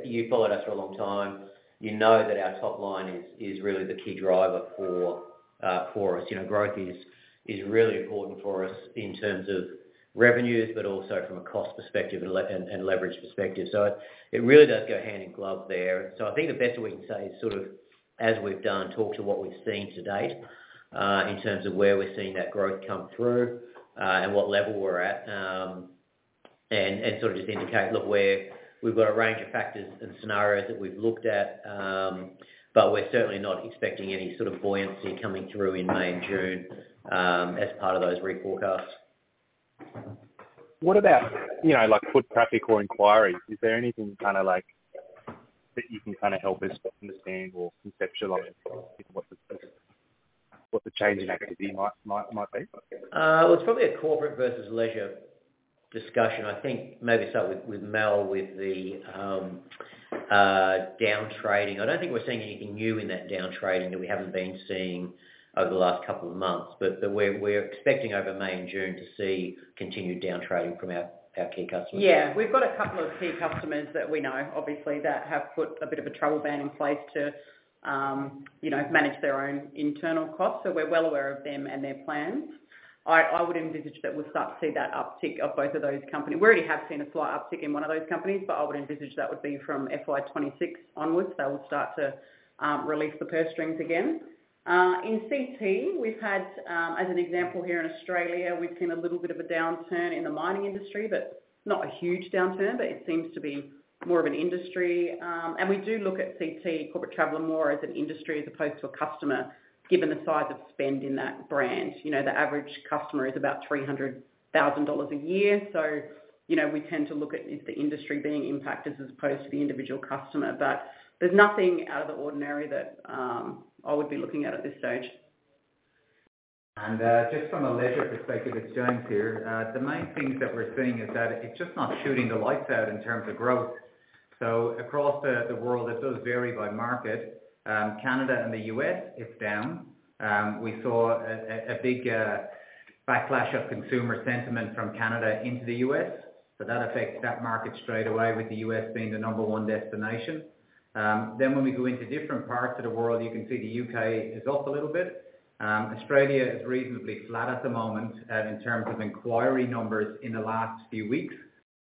you've followed us for a long time. You know that our top line is really the key driver for us. Growth is really important for us in terms of revenues, but also from a cost perspective and leverage perspective. It really does go hand in glove there. I think the best we can say is sort of, as we've done, talk to what we've seen to date in terms of where we're seeing that growth come through and what level we're at, and sort of just indicate, "Look, we've got a range of factors and scenarios that we've looked at, but we're certainly not expecting any sort of buoyancy coming through in May and June as part of those reforecasts. What about foot traffic or inquiries? Is there anything kind of that you can kind of help us understand or conceptualize what the change in activity might be? It is probably a corporate versus leisure discussion. I think maybe start with Mel with the downtrading. I do not think we are seeing anything new in that downtrading that we have not been seeing over the last couple of months. We are expecting over May and June to see continued downtrading from our key customers. Yeah. We've got a couple of key customers that we know, obviously, that have put a bit of a travel ban in place to manage their own internal costs. So we're well aware of them and their plans. I would envisage that we'll start to see that uptick of both of those companies. We already have seen a slight uptick in one of those companies, but I would envisage that would be from FY 2026 onwards. They will start to release the purse strings again. In CT, we've had, as an example here in Australia, we've seen a little bit of a downturn in the mining industry, but not a huge downturn, but it seems to be more of an industry. And we do look at CT, Corporate Traveller, more as an industry as opposed to a customer, given the size of spend in that brand. The average customer is about 300,000 dollars a year. We tend to look at is the industry being impacted as opposed to the individual customer. There is nothing out of the ordinary that I would be looking at at this stage. Just from a leisure perspective, it's James here. The main things that we're seeing is that it's just not shooting the lights out in terms of growth. Across the world, it does vary by market. Canada and the U.S., it's down. We saw a big backlash of consumer sentiment from Canada into the U.S. That affects that market straight away with the U.S. being the number one destination. When we go into different parts of the world, you can see the U.K. is off a little bit. Australia is reasonably flat at the moment in terms of inquiry numbers in the last few weeks.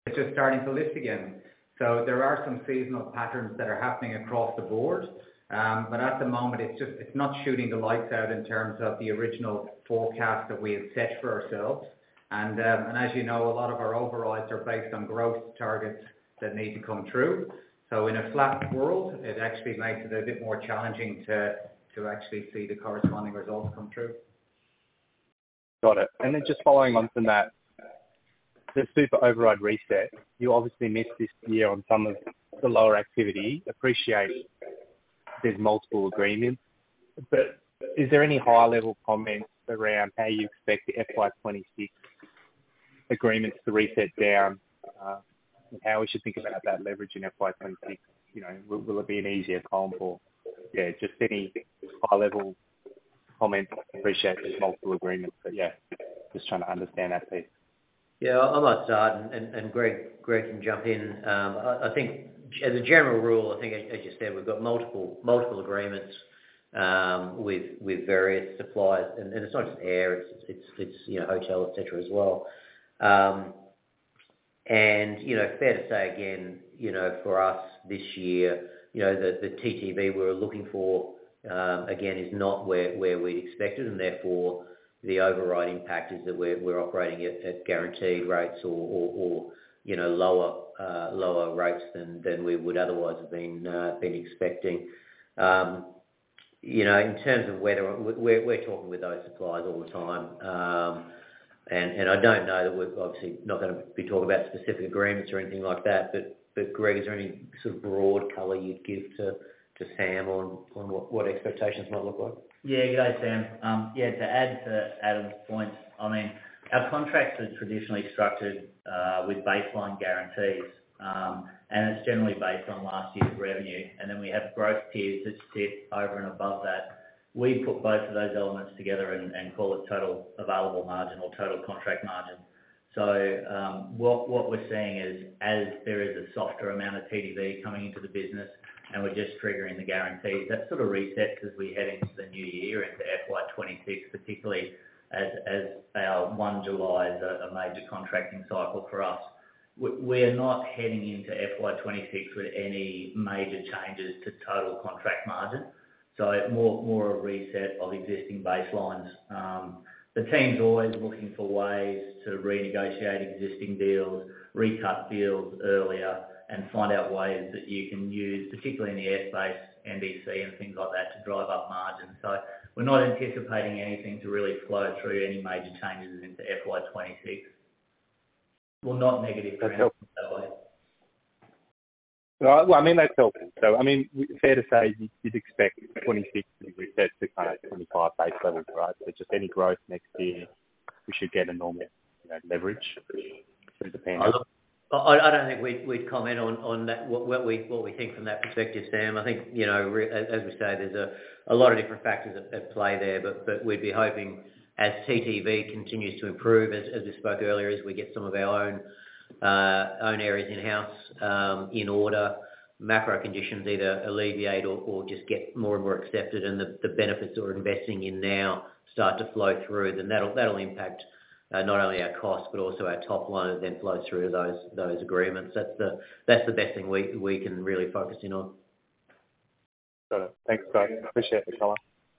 It's just starting to lift again. There are some seasonal patterns that are happening across the board. At the moment, it's not shooting the lights out in terms of the original forecast that we had set for ourselves. As you know, a lot of our overrides are based on growth targets that need to come through. In a flat world, it actually makes it a bit more challenging to actually see the corresponding results come through. Got it. Just following on from that, the super override reset, you obviously missed this year on some of the lower activity. Appreciate there's multiple agreements. Is there any high-level comments around how you expect the FY 2026 agreements to reset down and how we should think about that leverage in FY 2026? Will it be an easier comb or, yeah, just any high-level comments? Appreciate there's multiple agreements. Yeah, just trying to understand that piece. Yeah. I might start, and Greg can jump in. I think as a general rule, I think, as you said, we've got multiple agreements with various suppliers. It's not just air; it's hotel, etc., as well. Fair to say again, for us this year, the TTV we're looking for, again, is not where we'd expected. Therefore, the override impact is that we're operating at guaranteed rates or lower rates than we would otherwise have been expecting. In terms of whether we're talking with those suppliers all the time, I don't know that we're obviously not going to be talking about specific agreements or anything like that, but Greg, is there any sort of broad color you'd give to Sam on what expectations might look like? Yeah. You go, Sam. Yeah. To add to Adam's point, I mean, our contracts are traditionally structured with baseline guarantees, and it's generally based on last year's revenue. We have growth tiers that sit over and above that. We put both of those elements together and call it total available margin or total contract margin. What we're seeing is, as there is a softer amount of TTV coming into the business and we're just triggering the guarantees, that sort of resets as we head into the new year into FY 2026, particularly as our 1 July is a major contracting cycle for us. We are not heading into FY 2026 with any major changes to total contract margin. More a reset of existing baselines. The team's always looking for ways to renegotiate existing deals, recut deals earlier, and find out ways that you can use, particularly in the airspace, NDC, and things like that, to drive up margin. We are not anticipating anything to really flow through any major changes into FY 2026. Not negative for now. That's helpful. Right. I mean, that's helpful. I mean, fair to say you'd expect 2016 reset to kind of 2025 base levels, right? Just any growth next year, we should get a normal leverage. It depends. I don't think we'd comment on what we think from that perspective, Sam. I think, as we say, there's a lot of different factors at play there. We'd be hoping, as TTV continues to improve, as we spoke earlier, as we get some of our own areas in-house in order, macro conditions either alleviate or just get more and more accepted and the benefits we're investing in now start to flow through, that will impact not only our cost but also our top line that then flows through to those agreements. That's the best thing we can really focus in on. Got it. Thanks, guys. Appreciate the color.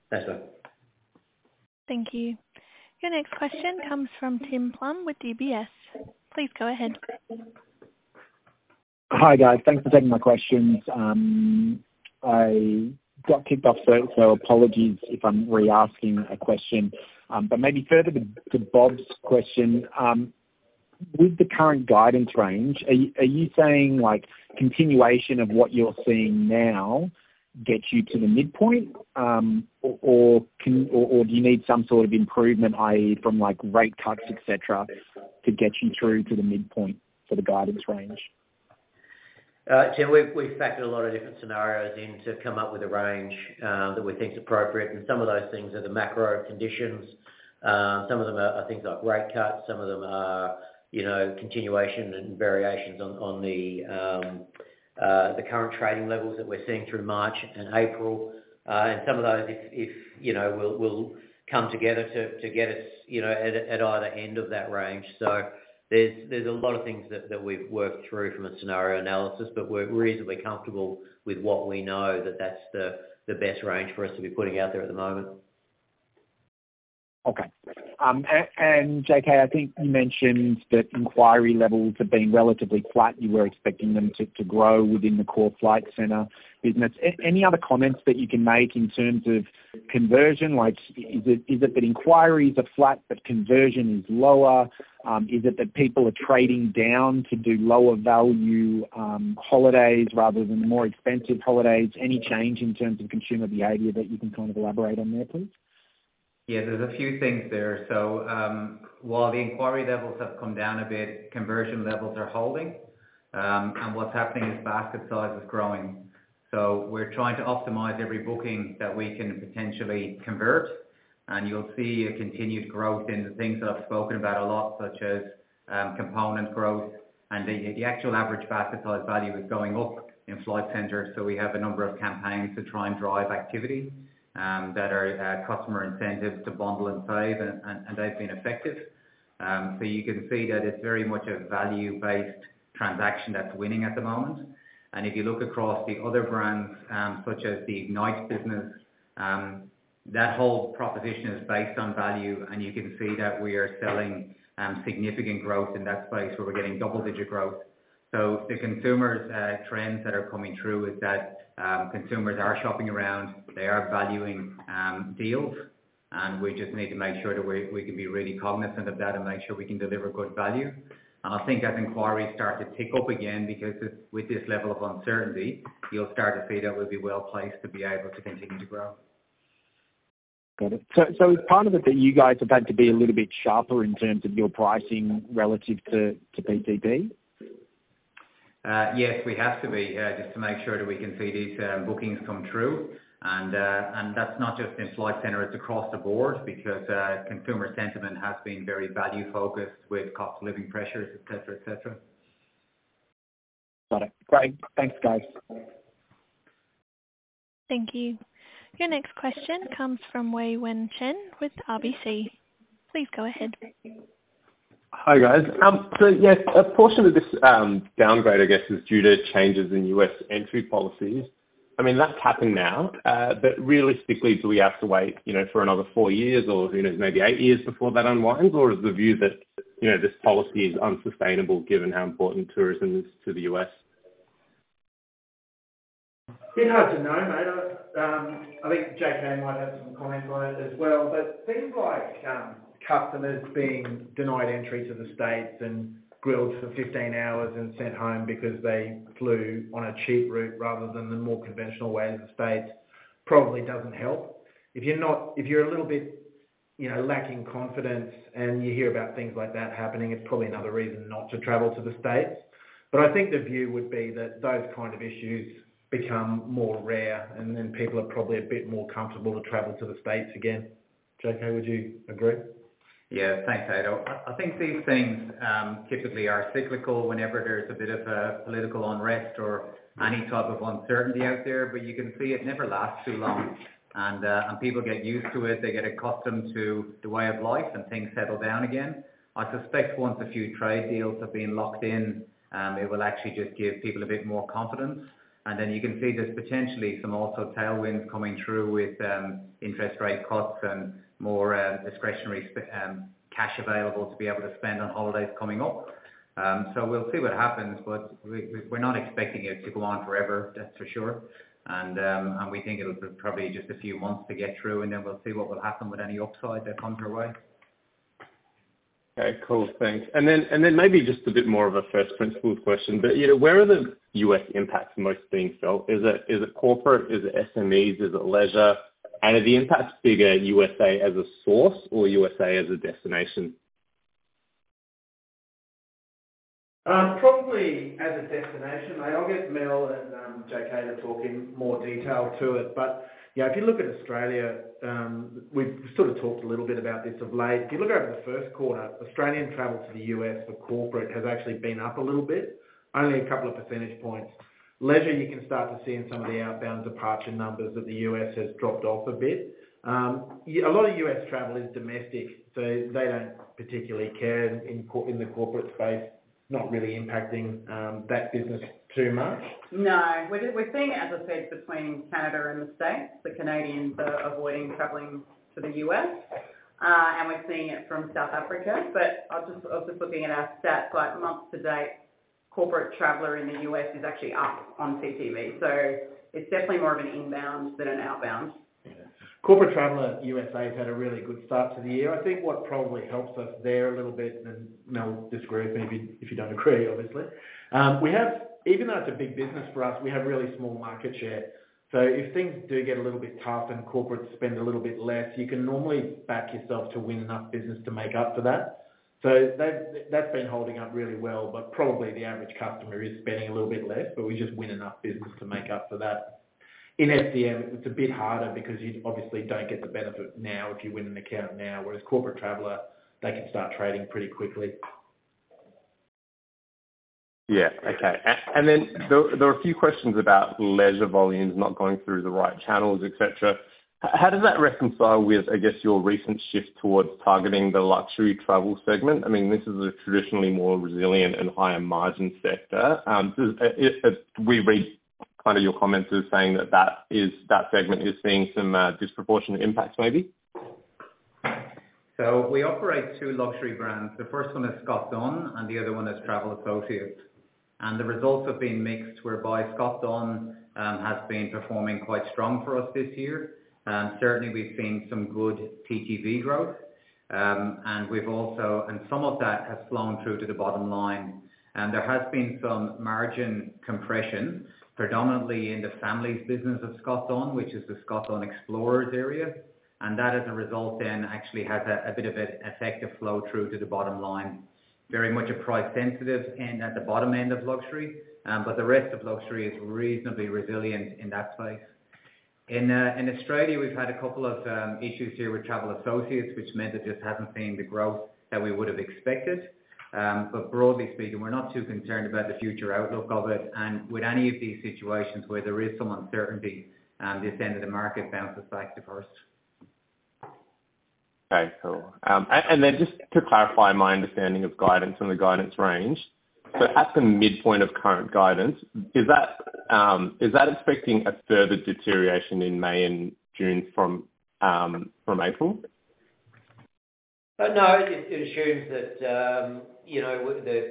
Thanks, man. Thank you. Your next question comes from Tim Plumbe with UBS. Please go ahead. Hi, guys. Thanks for taking my questions. I got kicked off, so apologies if I'm re-asking a question. Maybe further to Bob's question, with the current guidance range, are you saying continuation of what you're seeing now gets you to the midpoint, or do you need some sort of improvement, i.e., from rate cuts, etc., to get you through to the midpoint for the guidance range? Tim, we've factored a lot of different scenarios in to come up with a range that we think's appropriate. Some of those things are the macro conditions. Some of them are things like rate cuts. Some of them are continuation and variations on the current trading levels that we're seeing through March and April. Some of those, if we'll come together to get us at either end of that range. There are a lot of things that we've worked through from a scenario analysis, but we're reasonably comfortable with what we know that that's the best range for us to be putting out there at the moment. Okay. JK, I think you mentioned that inquiry levels have been relatively flat. You were expecting them to grow within the core Flight Centre business. Any other comments that you can make in terms of conversion? Is it that inquiries are flat, but conversion is lower? Is it that people are trading down to do lower value holidays rather than more expensive holidays? Any change in terms of consumer behaviour that you can kind of elaborate on there, please? Yeah. There's a few things there. While the inquiry levels have come down a bit, conversion levels are holding. What's happening is basket size is growing. We're trying to optimize every booking that we can potentially convert. You'll see a continued growth in the things that I've spoken about a lot, such as component growth. The actual average basket size value is going up in Flight Centre. We have a number of campaigns to try and drive activity that are customer incentives to bundle and save, and they've been effective. You can see that it's very much a value-based transaction that's winning at the moment. If you look across the other brands, such as the Ignite business, that whole proposition is based on value. You can see that we are selling significant growth in that space where we're getting double-digit growth. The consumers' trends that are coming through is that consumers are shopping around. They are valuing deals. We just need to make sure that we can be really cognizant of that and make sure we can deliver good value. I think as inquiries start to tick up again, because with this level of uncertainty, you'll start to see that we'll be well placed to be able to continue to grow. Got it. Is part of it that you guys are going to be a little bit sharper in terms of your pricing relative to PTP? Yes, we have to be, just to make sure that we can see these bookings come true. That is not just in Flight Centre. It is across the board because consumer sentiment has been very value-focused with cost of living pressures, etc., etc. Got it. Great. Thanks, guys. Thank you. Your next question comes from Wei-Weng Chen with RBC. Please go ahead. Hi, guys. Yes, a portion of this downgrade, I guess, is due to changes in U.S. entry policies. I mean, that's happened now. Realistically, do we have to wait for another four years or maybe eight years before that unwinds? Is the view that this policy is unsustainable given how important tourism is to the U.S.? It's hard to know, mate. I think JK might have some comments on it as well. Things like customers being denied entry to the U.S. and grilled for 15 hours and sent home because they flew on a cheap route rather than the more conventional ways of the States probably does not help. If you're a little bit lacking confidence and you hear about things like that happening, it's probably another reason not to travel to the States. I think the view would be that those kind of issues become more rare, and then people are probably a bit more comfortable to travel to the States again. JK, would you agree? Yeah. Thanks, Adam. I think these things typically are cyclical whenever there's a bit of a political unrest or any type of uncertainty out there. You can see it never lasts too long. People get used to it. They get accustomed to the way of life, and things settle down again. I suspect once a few trade deals have been locked in, it will actually just give people a bit more confidence. You can see there's potentially also some tailwinds coming through with interest rate cuts and more discretionary cash available to be able to spend on holidays coming up. We will see what happens, but we're not expecting it to go on forever, that's for sure. We think it'll probably be just a few months to get through, and then we'll see what will happen with any upside that comes our way. Okay. Cool. Thanks. Maybe just a bit more of a first-principles question, but where are the U.S. impacts most being felt? Is it corporate? Is it SMEs? Is it leisure? Are the impacts bigger U.S. as a source or U.S. as a destination? Probably as a destination. I'll get Mel and JK to talk in more detail to it. If you look at Australia, we've sort of talked a little bit about this of late. If you look over the first quarter, Australian travel to the U.S. for corporate has actually been up a little bit, only a couple of percentage points. Leisure, you can start to see in some of the outbound departure numbers that the U.S. has dropped off a bit. A lot of U.S. travel is domestic, so they do not particularly care in the corporate space, not really impacting that business too much. No. We're seeing it, as I said, between Canada and the U.S. The Canadians are avoiding travelling to the U.S., and we're seeing it from South Africa. I was just looking at our stats. Month to date, Corporate Traveller in the U.S. is actually up on PTV. It is definitely more of an inbound than an outbound. Yeah. Corporate Traveller in the US has had a really good start to the year. I think what probably helps us there a little bit—and Mel, disagree with me if you do not agree, obviously—even though it is a big business for us, we have really small market share. If things do get a little bit tough and corporates spend a little bit less, you can normally back yourself to win enough business to make up for that. That has been holding up really well. Probably the average customer is spending a little bit less, but we just win enough business to make up for that. In FCM, it is a bit harder because you obviously do not get the benefit now if you win an account now. Whereas Corporate Traveller, they can start trading pretty quickly. Yeah. Okay. There are a few questions about leisure volumes not going through the right channels, etc. How does that reconcile with, I guess, your recent shift towards targeting the luxury travel segment? I mean, this is a traditionally more resilient and higher-margin sector. We read kind of your comments as saying that that segment is seeing some disproportionate impacts, maybe. We operate two luxury brands. The first one is Scott Dunn, and the other one is Travel Associates. The results have been mixed, whereby Scott Dunn has been performing quite strong for us this year. Certainly, we've seen some good TTV growth. Some of that has flown through to the bottom line. There has been some margin compression, predominantly in the family's business of Scott Dunn, which is the Scott Dunn Explorers area. That, as a result, then actually has a bit of an effective flow through to the bottom line. Very much a price-sensitive end at the bottom end of luxury. The rest of luxury is reasonably resilient in that space. In Australia, we've had a couple of issues here with Travel Associates, which meant that it just hasn't seen the growth that we would have expected. Broadly speaking, we're not too concerned about the future outlook of it. With any of these situations where there is some uncertainty, this end of the market bounces back the first. Okay. Cool. Just to clarify my understanding of guidance and the guidance range. At the midpoint of current guidance, is that expecting a further deterioration in May and June from April? No. It assumes that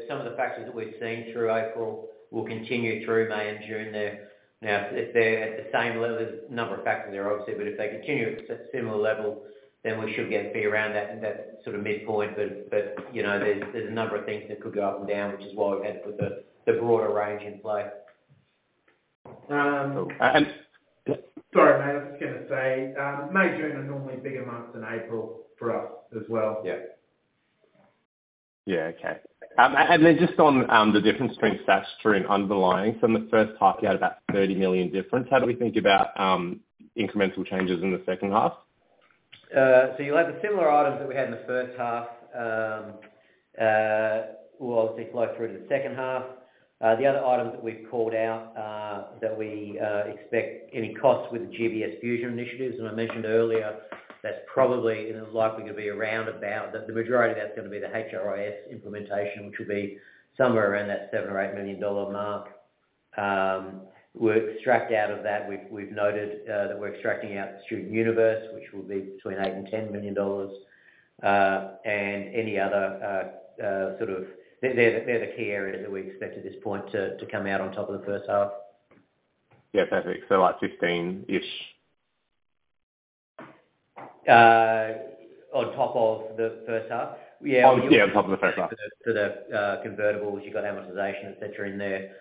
some of the factors that we've seen through April will continue through May and June there. Now, if they're at the same level as the number of factors there, obviously, if they continue at a similar level, then we should be around that sort of midpoint. There are a number of things that could go up and down, which is why we've had to put the broader range in play. Sorry, mate. I was just going to say May, June, are normally bigger months than April for us as well. Yeah. Yeah. Okay. And then just on the difference between stats during underlying, so in the first half, you had about 30 million difference. How do we think about incremental changes in the second half? You'll have the similar items that we had in the first half, will obviously flow through to the second half. The other items that we've called out that we expect any costs with the GBS fusion initiatives. I mentioned earlier that's probably likely going to be around about the majority of that's going to be the HRIS implementation, which will be somewhere around that 7 million or 8 million dollar mark. We've extracted out of that, we've noted that we're extracting out StudentUniverse, which will be between 8 million and 10 million dollars. Any other sort of they're the key areas that we expect at this point to come out on top of the first half. Yeah. Perfect. Like 15-ish? On top of the first half? Yeah. Oh, yeah. On top of the first half. For the convertibles, you've got amortization, etc., in there,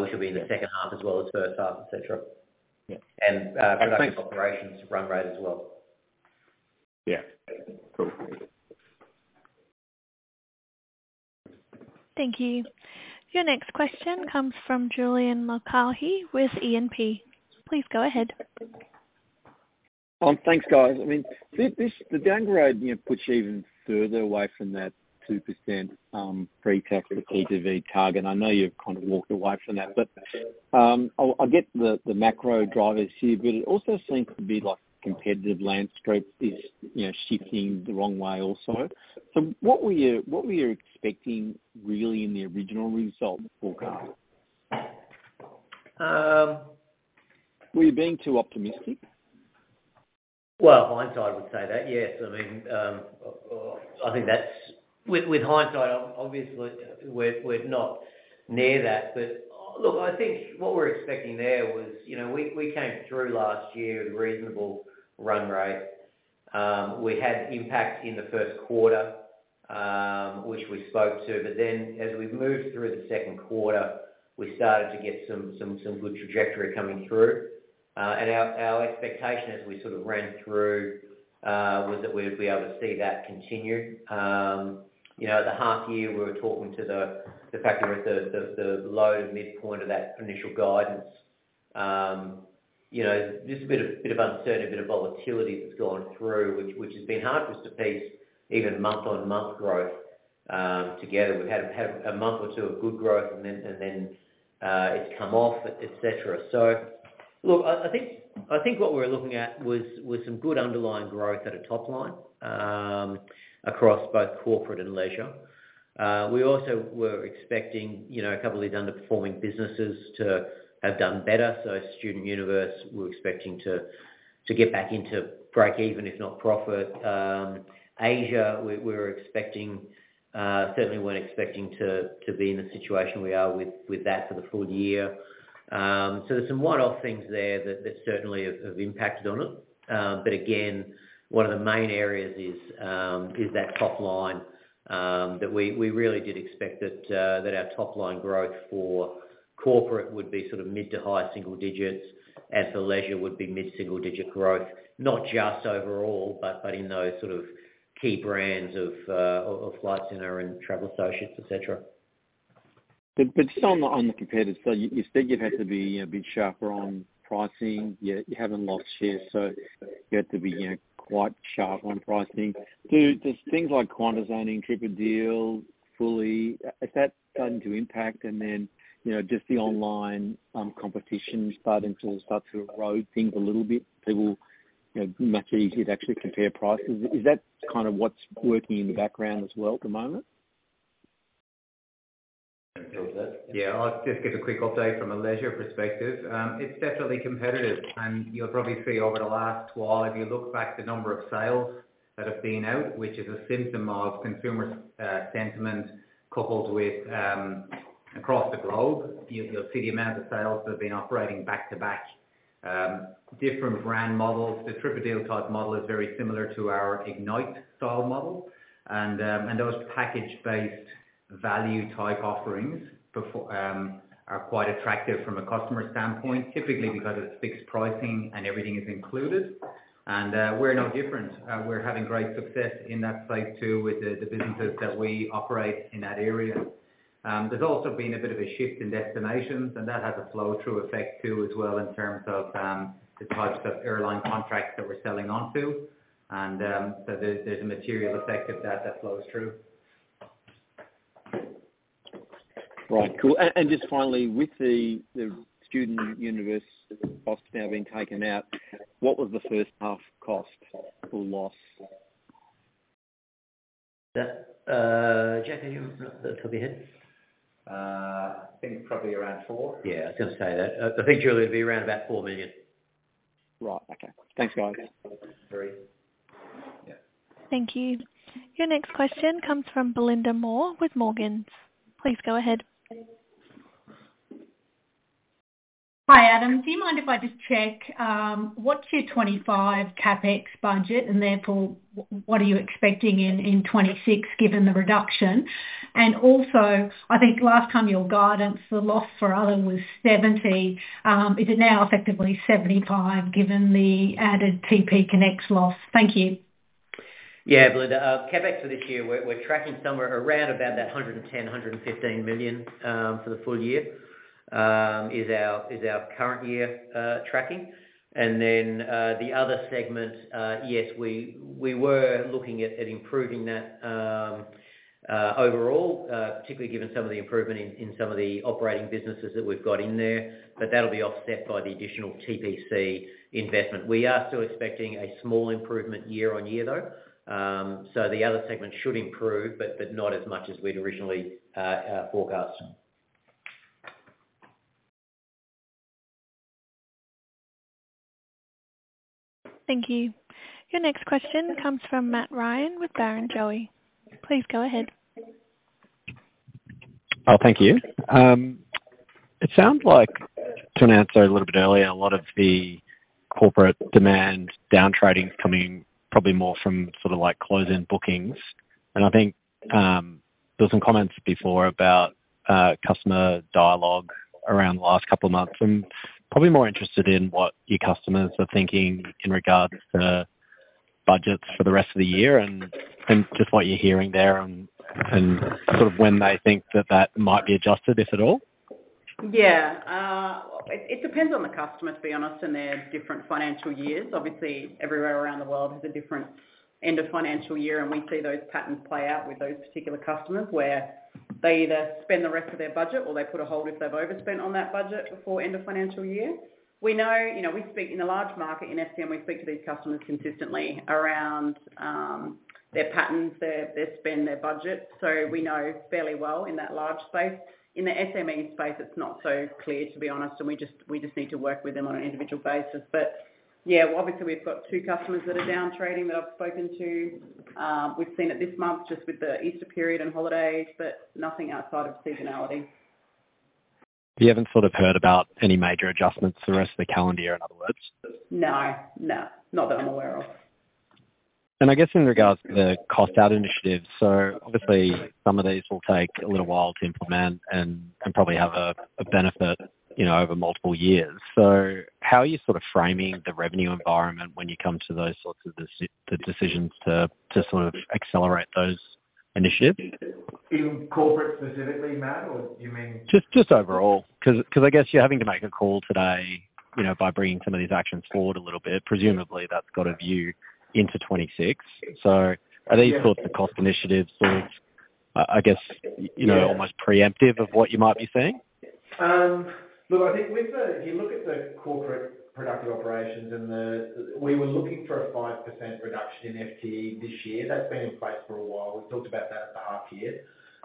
which will be in the second half as well as first half, etc. Yeah. Thanks. Production operations run rate as well. Yeah. Cool. Thank you. Your next question comes from Julian Mulcahy with E&P. Please go ahead. Thanks, guys. I mean, the downgrade puts you even further away from that 2% pre-tax PBT target. I know you've kind of walked away from that. I get the macro drivers here, but it also seems to be like the competitive landscape is shifting the wrong way also. What were you expecting really in the original result forecast? Were you being too optimistic? Hindsight would say that, yes. I mean, I think that's with hindsight, obviously, we're not near that. Look, I think what we're expecting there was we came through last year with a reasonable run rate. We had impact in the first quarter, which we spoke to. As we moved through the second quarter, we started to get some good trajectory coming through. Our expectation as we sort of ran through was that we would be able to see that continue. At the half year, we were talking to the fact that we're at the low to midpoint of that initial guidance. Just a bit of uncertainty, a bit of volatility that's gone through, which has been hard for us to piece even month-on-month growth together. We've had a month or two of good growth, and then it's come off, etc. Look, I think what we were looking at was some good underlying growth at a top line across both corporate and leisure. We also were expecting a couple of these underperforming businesses to have done better. StudentUniverse, we were expecting to get back into break-even, if not profit. Asia, we were expecting, certainly were not expecting to be in the situation we are with that for the full year. There are some one-off things there that certainly have impacted on it. Again, one of the main areas is that top line that we really did expect, that our top line growth for corporate would be sort of mid to high single digits, and for leisure would be mid-single digit growth, not just overall, but in those key brands of Flight Centre and Travel Associates, etc. Just on the competitor side, you said you've had to be a bit sharper on pricing. You haven't lost shares, so you had to be quite sharp on pricing. Do things like quarantining triple deal fully, is that starting to impact? Then just the online competition starting to erode things a little bit, people much easier to actually compare prices. Is that kind of what's working in the background as well at the moment? Yeah. I'll just give a quick update from a leisure perspective. It's definitely competitive. You'll probably see over the last while, if you look back at the number of sales that have been out, which is a symptom of consumer sentiment coupled with across the globe, you'll see the amount of sales that have been operating back to back. Different brand models, the triple deal type model is very similar to our Ignite style model. Those package-based value type offerings are quite attractive from a customer standpoint, typically because it's fixed pricing and everything is included. We're no different. We're having great success in that space too with the businesses that we operate in that area. There's also been a bit of a shift in destinations, and that has a flow-through effect too as well in terms of the types of airline contracts that we're selling onto. There is a material effect of that that flows through. Right. Cool. And just finally, with the StudentUniverse costs now being taken out, what was the first-half cost loss? JK, you want to talk ahead? I think probably around four. Yeah. I was going to say that. I think Julian would be around about 4 million. Right. Okay. Thanks, guys. Thank you. Thank you. Your next question comes from Belinda Moore with Morgans. Please go ahead. Hi, Adam. Do you mind if I just check? What's your 2025 CapEx budget? What are you expecting in 2026 given the reduction? I think last time your guidance, the loss for other was 70%. Is it now effectively 75% given the added TPConnects loss? Thank you. Yeah. Belinda, CapEx for this year, we're tracking somewhere around about that 110 million-115 million for the full year is our current year tracking. The other segment, yes, we were looking at improving that overall, particularly given some of the improvement in some of the operating businesses that we've got in there. That will be offset by the additional TPC investment. We are still expecting a small improvement year on year though. The other segment should improve, but not as much as we'd originally forecast. Thank you. Your next question comes from Matt Ryan with Barrenjoey. Please go ahead. Oh, thank you. It sounds like, to an answer a little bit earlier, a lot of the corporate demand down trading is coming probably more from sort of like close-in bookings. I think there were some comments before about customer dialogue around the last couple of months. I'm probably more interested in what your customers are thinking in regards to budgets for the rest of the year and just what you're hearing there and sort of when they think that that might be adjusted, if at all. Yeah. It depends on the customer, to be honest, in their different financial years. Obviously, everywhere around the world has a different end of financial year. We see those patterns play out with those particular customers where they either spend the rest of their budget or they put a hold if they've overspent on that budget before end of financial year. We know we speak in the large market in FDM, we speak to these customers consistently around their patterns, their spend, their budget. We know fairly well in that large space. In the SME space, it's not so clear, to be honest. We just need to work with them on an individual basis. Yeah, obviously, we've got two customers that are down trading that I've spoken to. We've seen it this month just with the Easter period and holidays, but nothing outside of seasonality. You haven't sort of heard about any major adjustments for the rest of the calendar year, in other words? No. No. Not that I'm aware of. I guess in regards to the cost-out initiatives, obviously, some of these will take a little while to implement and probably have a benefit over multiple years. How are you sort of framing the revenue environment when you come to those sorts of decisions to sort of accelerate those initiatives? In corporate specifically, Matt, or do you mean? Just overall. Because I guess you're having to make a call today by bringing some of these actions forward a little bit. Presumably, that's got a view into 2026. Are these sorts of cost initiatives sort of, I guess, almost preemptive of what you might be seeing? Look, I think if you look at the corporate productive operations and we were looking for a 5% reduction in FTE this year. That's been in place for a while. We talked about that at the half year.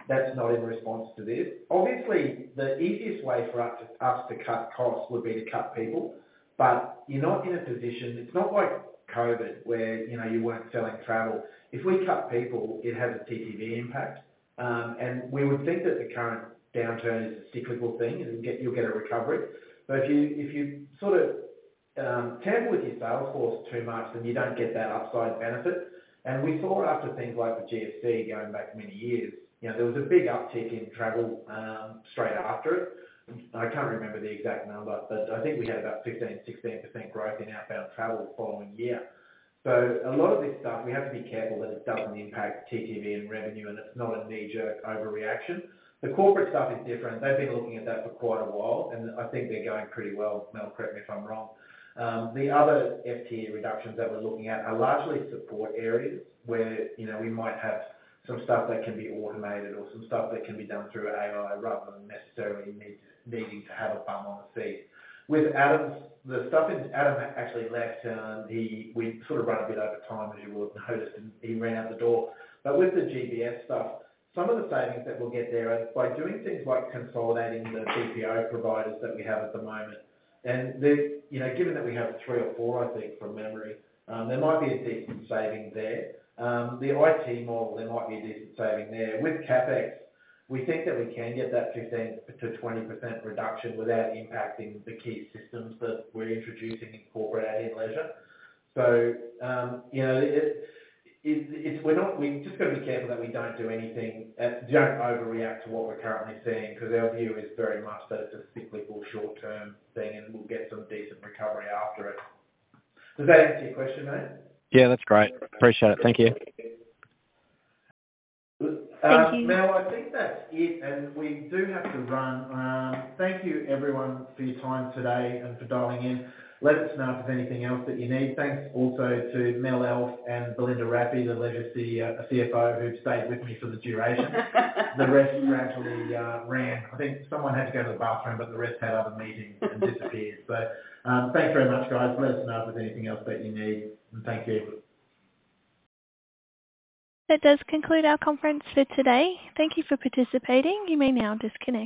That's not in response to this. Obviously, the easiest way for us to cut costs would be to cut people. You're not in a position, it's not like COVID where you weren't selling travel. If we cut people, it has a TTV impact. We would think that the current downturn is a cyclical thing and you'll get a recovery. If you sort of tamper with your sales force too much, you don't get that upside benefit. We saw after things like the GFC going back many years, there was a big uptick in travel straight after it. I can't remember the exact number, but I think we had about 15%-16% growth in outbound travel the following year. A lot of this stuff, we have to be careful that it doesn't impact TPV and revenue, and it's not a knee-jerk overreaction. The corporate stuff is different. They've been looking at that for quite a while, and I think they're going pretty well. Now, correct me if I'm wrong. The other FTE reductions that we're looking at are largely support areas where we might have some stuff that can be automated or some stuff that can be done through AI rather than necessarily needing to have a bum on the seat. With Adam's, the stuff Adam actually left, we sort of run a bit over time, as you will have noticed, and he ran out the door. With the GBS stuff, some of the savings that we'll get there are by doing things like consolidating the BPO providers that we have at the moment. Given that we have three or four, I think, from memory, there might be a decent saving there. The IT model, there might be a decent saving there. With CapEx, we think that we can get that 15%-20% reduction without impacting the key systems that we're introducing in corporate and in leisure. We just got to be careful that we don't do anything that don't overreact to what we're currently seeing because our view is very much that it's a cyclical short-term thing and we'll get some decent recovery after it. Does that answer your question, Matt? Yeah. That's great. Appreciate it. Thank you. Thank you. Now, I think that's it. We do have to run. Thank you, everyone, for your time today and for dialing in. Let us know if there's anything else that you need. Thanks also to Mel Elf and Belinda Rafiee, the Leisure CFO who've stayed with me for the duration. The rest gradually ran. I think someone had to go to the bathroom, the rest had other meetings and disappeared. Thanks very much, guys. Let us know if there's anything else that you need. Thank you. That does conclude our conference for today. Thank you for participating. You may now disconnect.